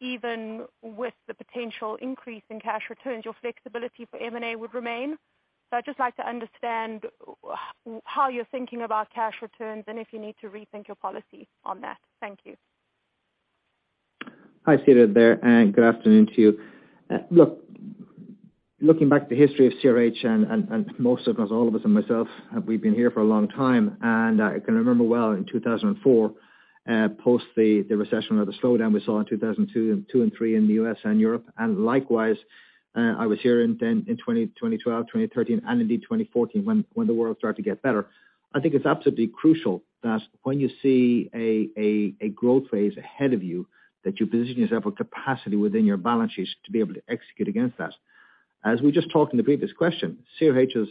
even with the potential increase in cash returns, your flexibility for M&A would remain. I'd just like to understand how you're thinking about cash returns and if you need to rethink your policy on that. Thank you. Hi, Cedar Ekblom, and good afternoon to you. Looking back at the history of CRH and most of us, all of us and myself, we've been here for a long time, and I can remember well in 2004, post the recession or the slowdown we saw in 2002, 2003 in the US and Europe. Likewise, I was here then in 2012, 2013, and indeed 2014 when the world started to get better. I think it's absolutely crucial that when you see a growth phase ahead of you, that you position yourself with capacity within your balance sheets to be able to execute against that. As we just talked in the previous question, CRH's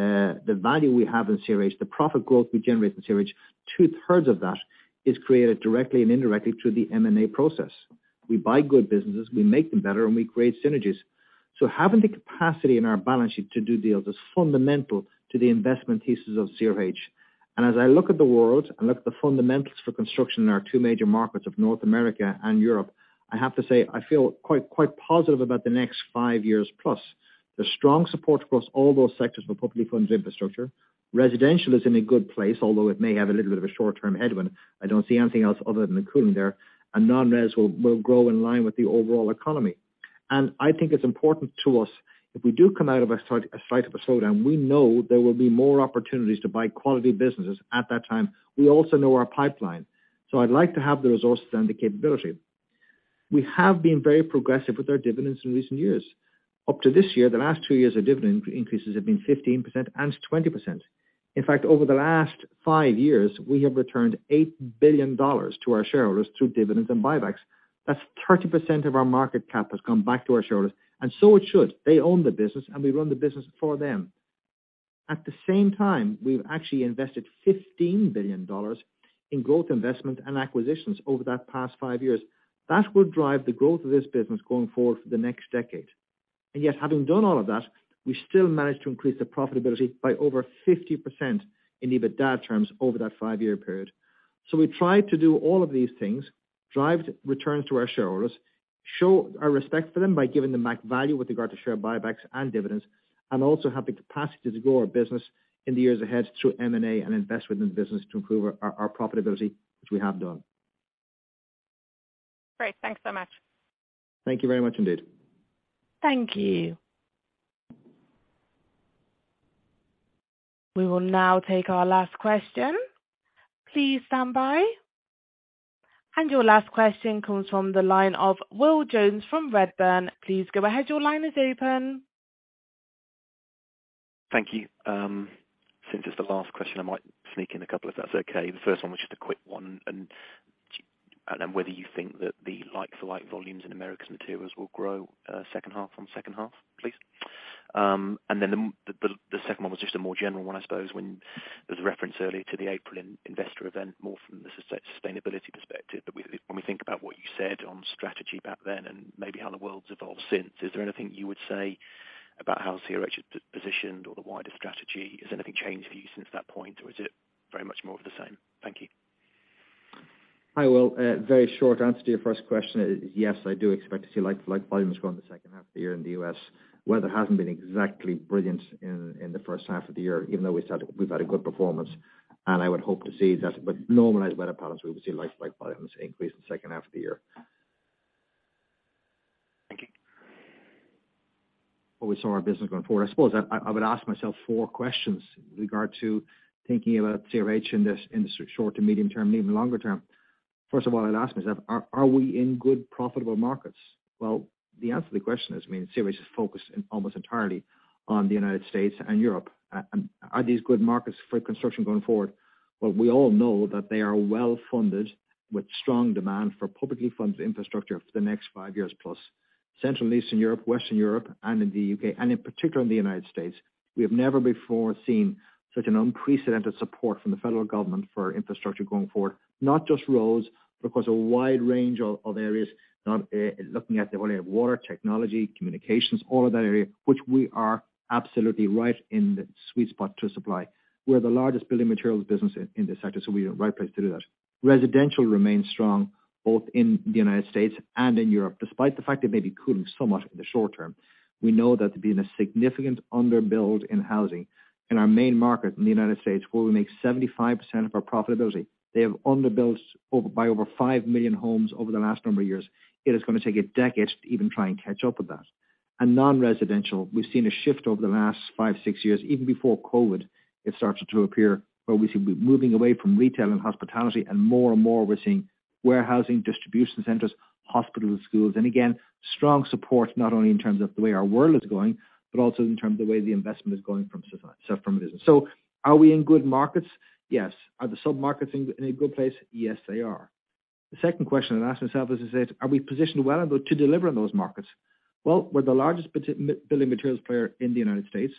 the value we have in CRH, the profit growth we generate in CRH, 2/3 of that is created directly and indirectly through the M&A process. We buy good businesses, we make them better, and we create synergies. Having the capacity in our balance sheet to do deals is fundamental to the investment thesis of CRH. As I look at the world and look at the fundamentals for construction in our two major markets of North America and Europe, I have to say I feel quite positive about the next 5+ years. The strong support across all those sectors for publicly funded infrastructure. Residential is in a good place, although it may have a little bit of a short-term headwind. I don't see anything else other than cooling there. Non-res will grow in line with the overall economy. I think it's important to us, if we do come out of a slight slowdown, we know there will be more opportunities to buy quality businesses at that time. We also know our pipeline. I'd like to have the resources and the capability. We have been very progressive with our dividends in recent years. Up to this year, the last two years, our dividend increases have been 15% and 20%. In fact, over the last five years, we have returned $8 billion to our shareholders through dividends and buybacks. That's 30% of our market cap has come back to our shareholders, and so it should. They own the business, and we run the business for them. At the same time, we've actually invested $15 billion in growth investment and acquisitions over the past five years. That will drive the growth of this business going forward for the next decade. Yet, having done all of that, we still managed to increase the profitability by over 50% in EBITDA terms over that five-year period. We tried to do all of these things, drive returns to our shareholders, show our respect for them by giving them back value with regard to share buybacks and dividends, and also have the capacity to grow our business in the years ahead through M&A and invest within the business to improve our profitability, which we have done. Great. Thanks so much. Thank you very much indeed. Thank you. We will now take our last question. Please stand by. Your last question comes from the line of Will Jones from Redburn. Please go ahead. Your line is open. Thank you. Since it's the last question, I might sneak in a couple, if that's okay. The first one was just a quick one. Whether you think that the like-for-like volumes in Americas Materials will grow second half on second half, please. Then the second one was just a more general one, I suppose, when there's a reference earlier to the April investor event more from the sustainability perspective. When we think about what you said on strategy back then and maybe how the world's evolved since, is there anything you would say about how CRH is positioned or the wider strategy? Has anything changed for you since that point, or is it very much more of the same? Thank you. Hi, Will. A very short answer to your first question. Yes, I do expect to see like-for-like volumes grow in the second half of the year in the US. Weather hasn't been exactly brilliant in the first half of the year, even though we've had a good performance, and I would hope to see that. Normalized weather patterns, we would see like-for-like volumes increase in the second half of the year. Thank you. Where we saw our business going forward. I suppose I would ask myself four questions in regard to thinking about CRH in this, in the short to medium term, and even longer term. First of all, I'd ask myself, are we in good profitable markets? Well, the answer to the question is, I mean, CRH is focused almost entirely on the United States and Europe. And are these good markets for construction going forward? Well, we all know that they are well-funded with strong demand for publicly funded infrastructure for the next 5+ years. Central and Eastern Europe, Western Europe, and in the U.K., and in particular in the United States, we have never before seen such an unprecedented support from the federal government for infrastructure going forward. Not just roads, but across a wide range of areas. Now, looking at the whole area of water, technology, communications, all of that area, which we are absolutely right in the sweet spot to supply. We're the largest building materials business in this sector, so we are in the right place to do that. Residential remains strong both in the United States and in Europe, despite the fact they may be cooling so much in the short term. We know that there's been a significant underbuild in housing. In our main market in the United States, where we make 75% of our profitability, they have underbuilt by over 5 million homes over the last number of years. It is gonna take a decade to even try and catch up with that. Non-residential, we've seen a shift over the last five, six years, even before COVID. It started to appear where we see we're moving away from retail and hospitality, and more and more we're seeing warehousing, distribution centers, hospitals, schools. Again, strong support, not only in terms of the way our world is going, but also in terms of the way the investment is going from business. So are we in good markets? Yes. Are the sub-markets in a good place? Yes, they are. The second question I'd ask myself is this. Are we positioned well to deliver in those markets? Well, we're the largest building materials player in the United States,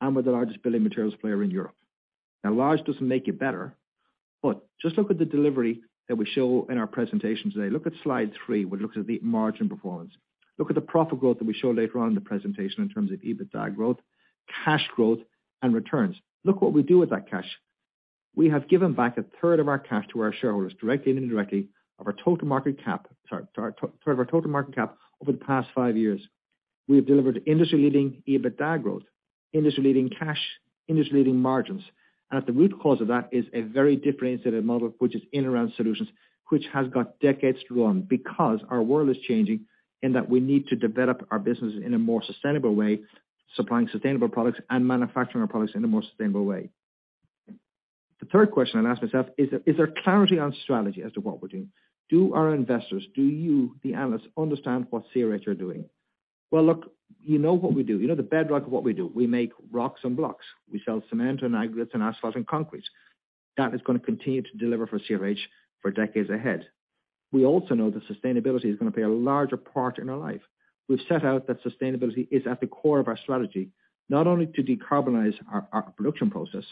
and we're the largest building materials player in Europe. Now, large doesn't make you better, but just look at the delivery that we show in our presentation today. Look at Slide 3, which looks at the margin performance. Look at the profit growth that we show later on in the presentation in terms of EBITDA growth, cash growth, and returns. Look what we do with that cash. We have given back a third of our cash to our shareholders, directly and indirectly, of our total market cap over the past five years. We have delivered industry-leading EBITDA growth. Industry-leading cash, industry-leading margins. At the root cause of that is a very differentiated model, which is in and around solutions, which has got decades to run because our world is changing and that we need to develop our business in a more sustainable way, supplying sustainable products and manufacturing our products in a more sustainable way. The third question I'd ask myself, is there clarity on strategy as to what we're doing? Do our investors, do you, the analysts, understand what CRH are doing? Well, look, you know what we do. You know the bedrock of what we do. We make rocks and blocks. We sell cement and aggregates and asphalt and concrete. That is gonna continue to deliver for CRH for decades ahead. We also know that sustainability is gonna play a larger part in our life. We've set out that sustainability is at the core of our strategy, not only to decarbonize our production process,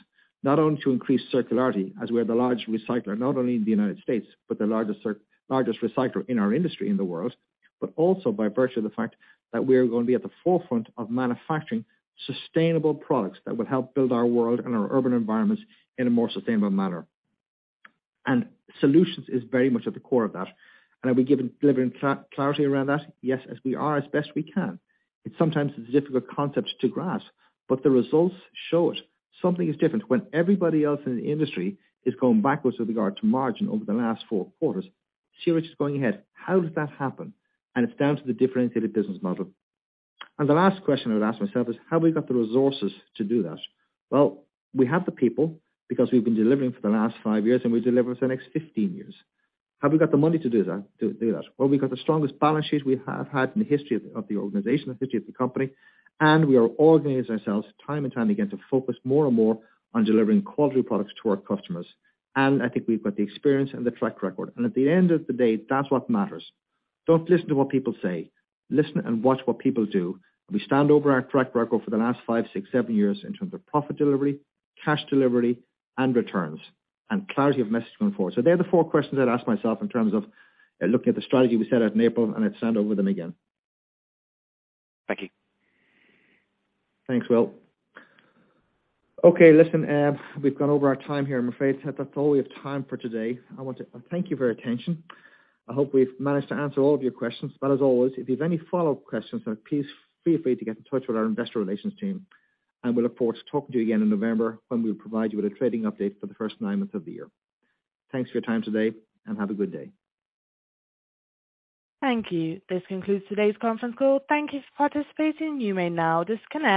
not only to increase circularity as we are the largest recycler, not only in the United States, but the largest recycler in our industry in the world, but also by virtue of the fact that we're going to be at the forefront of manufacturing sustainable products that will help build our world and our urban environments in a more sustainable manner. Solutions is very much at the core of that. Are we delivering clarity around that? Yes, as we are, as best we can. It's sometimes a difficult concept to grasp, but the results show it. Something is different when everybody else in the industry is going backwards with regard to margin over the last four quarters, CRH is going ahead. How does that happen? It's down to the differentiated business model. The last question I would ask myself is, have we got the resources to do that? Well, we have the people because we've been delivering for the last five years, and we'll deliver for the next 15 years. Have we got the money to do that? Well, we've got the strongest balance sheet we have had in the history of the organization, the history of the company, and we are organizing ourselves time and time again to focus more and more on delivering quality products to our customers. I think we've got the experience and the track record. At the end of the day, that's what matters. Don't listen to what people say. Listen and watch what people do. We stand over our track record for the last five, six, seven years in terms of profit delivery, cash delivery, and returns, and clarity of message going forward. They're the four questions I'd ask myself in terms of looking at the strategy we set out in April, and I'd stand over them again. Thank you. Thanks, Will. Okay, listen, we've gone over our time here, I'm afraid. That's all we have time for today. I want to thank you for your attention. I hope we've managed to answer all of your questions. As always, if you have any follow-up questions, then please feel free to get in touch with our investor relations team. We look forward to talking to you again in November when we provide you with a trading update for the first nine months of the year. Thanks for your time today, and have a good day. Thank you. This concludes today's conference call. Thank you for participating. You may now disconnect.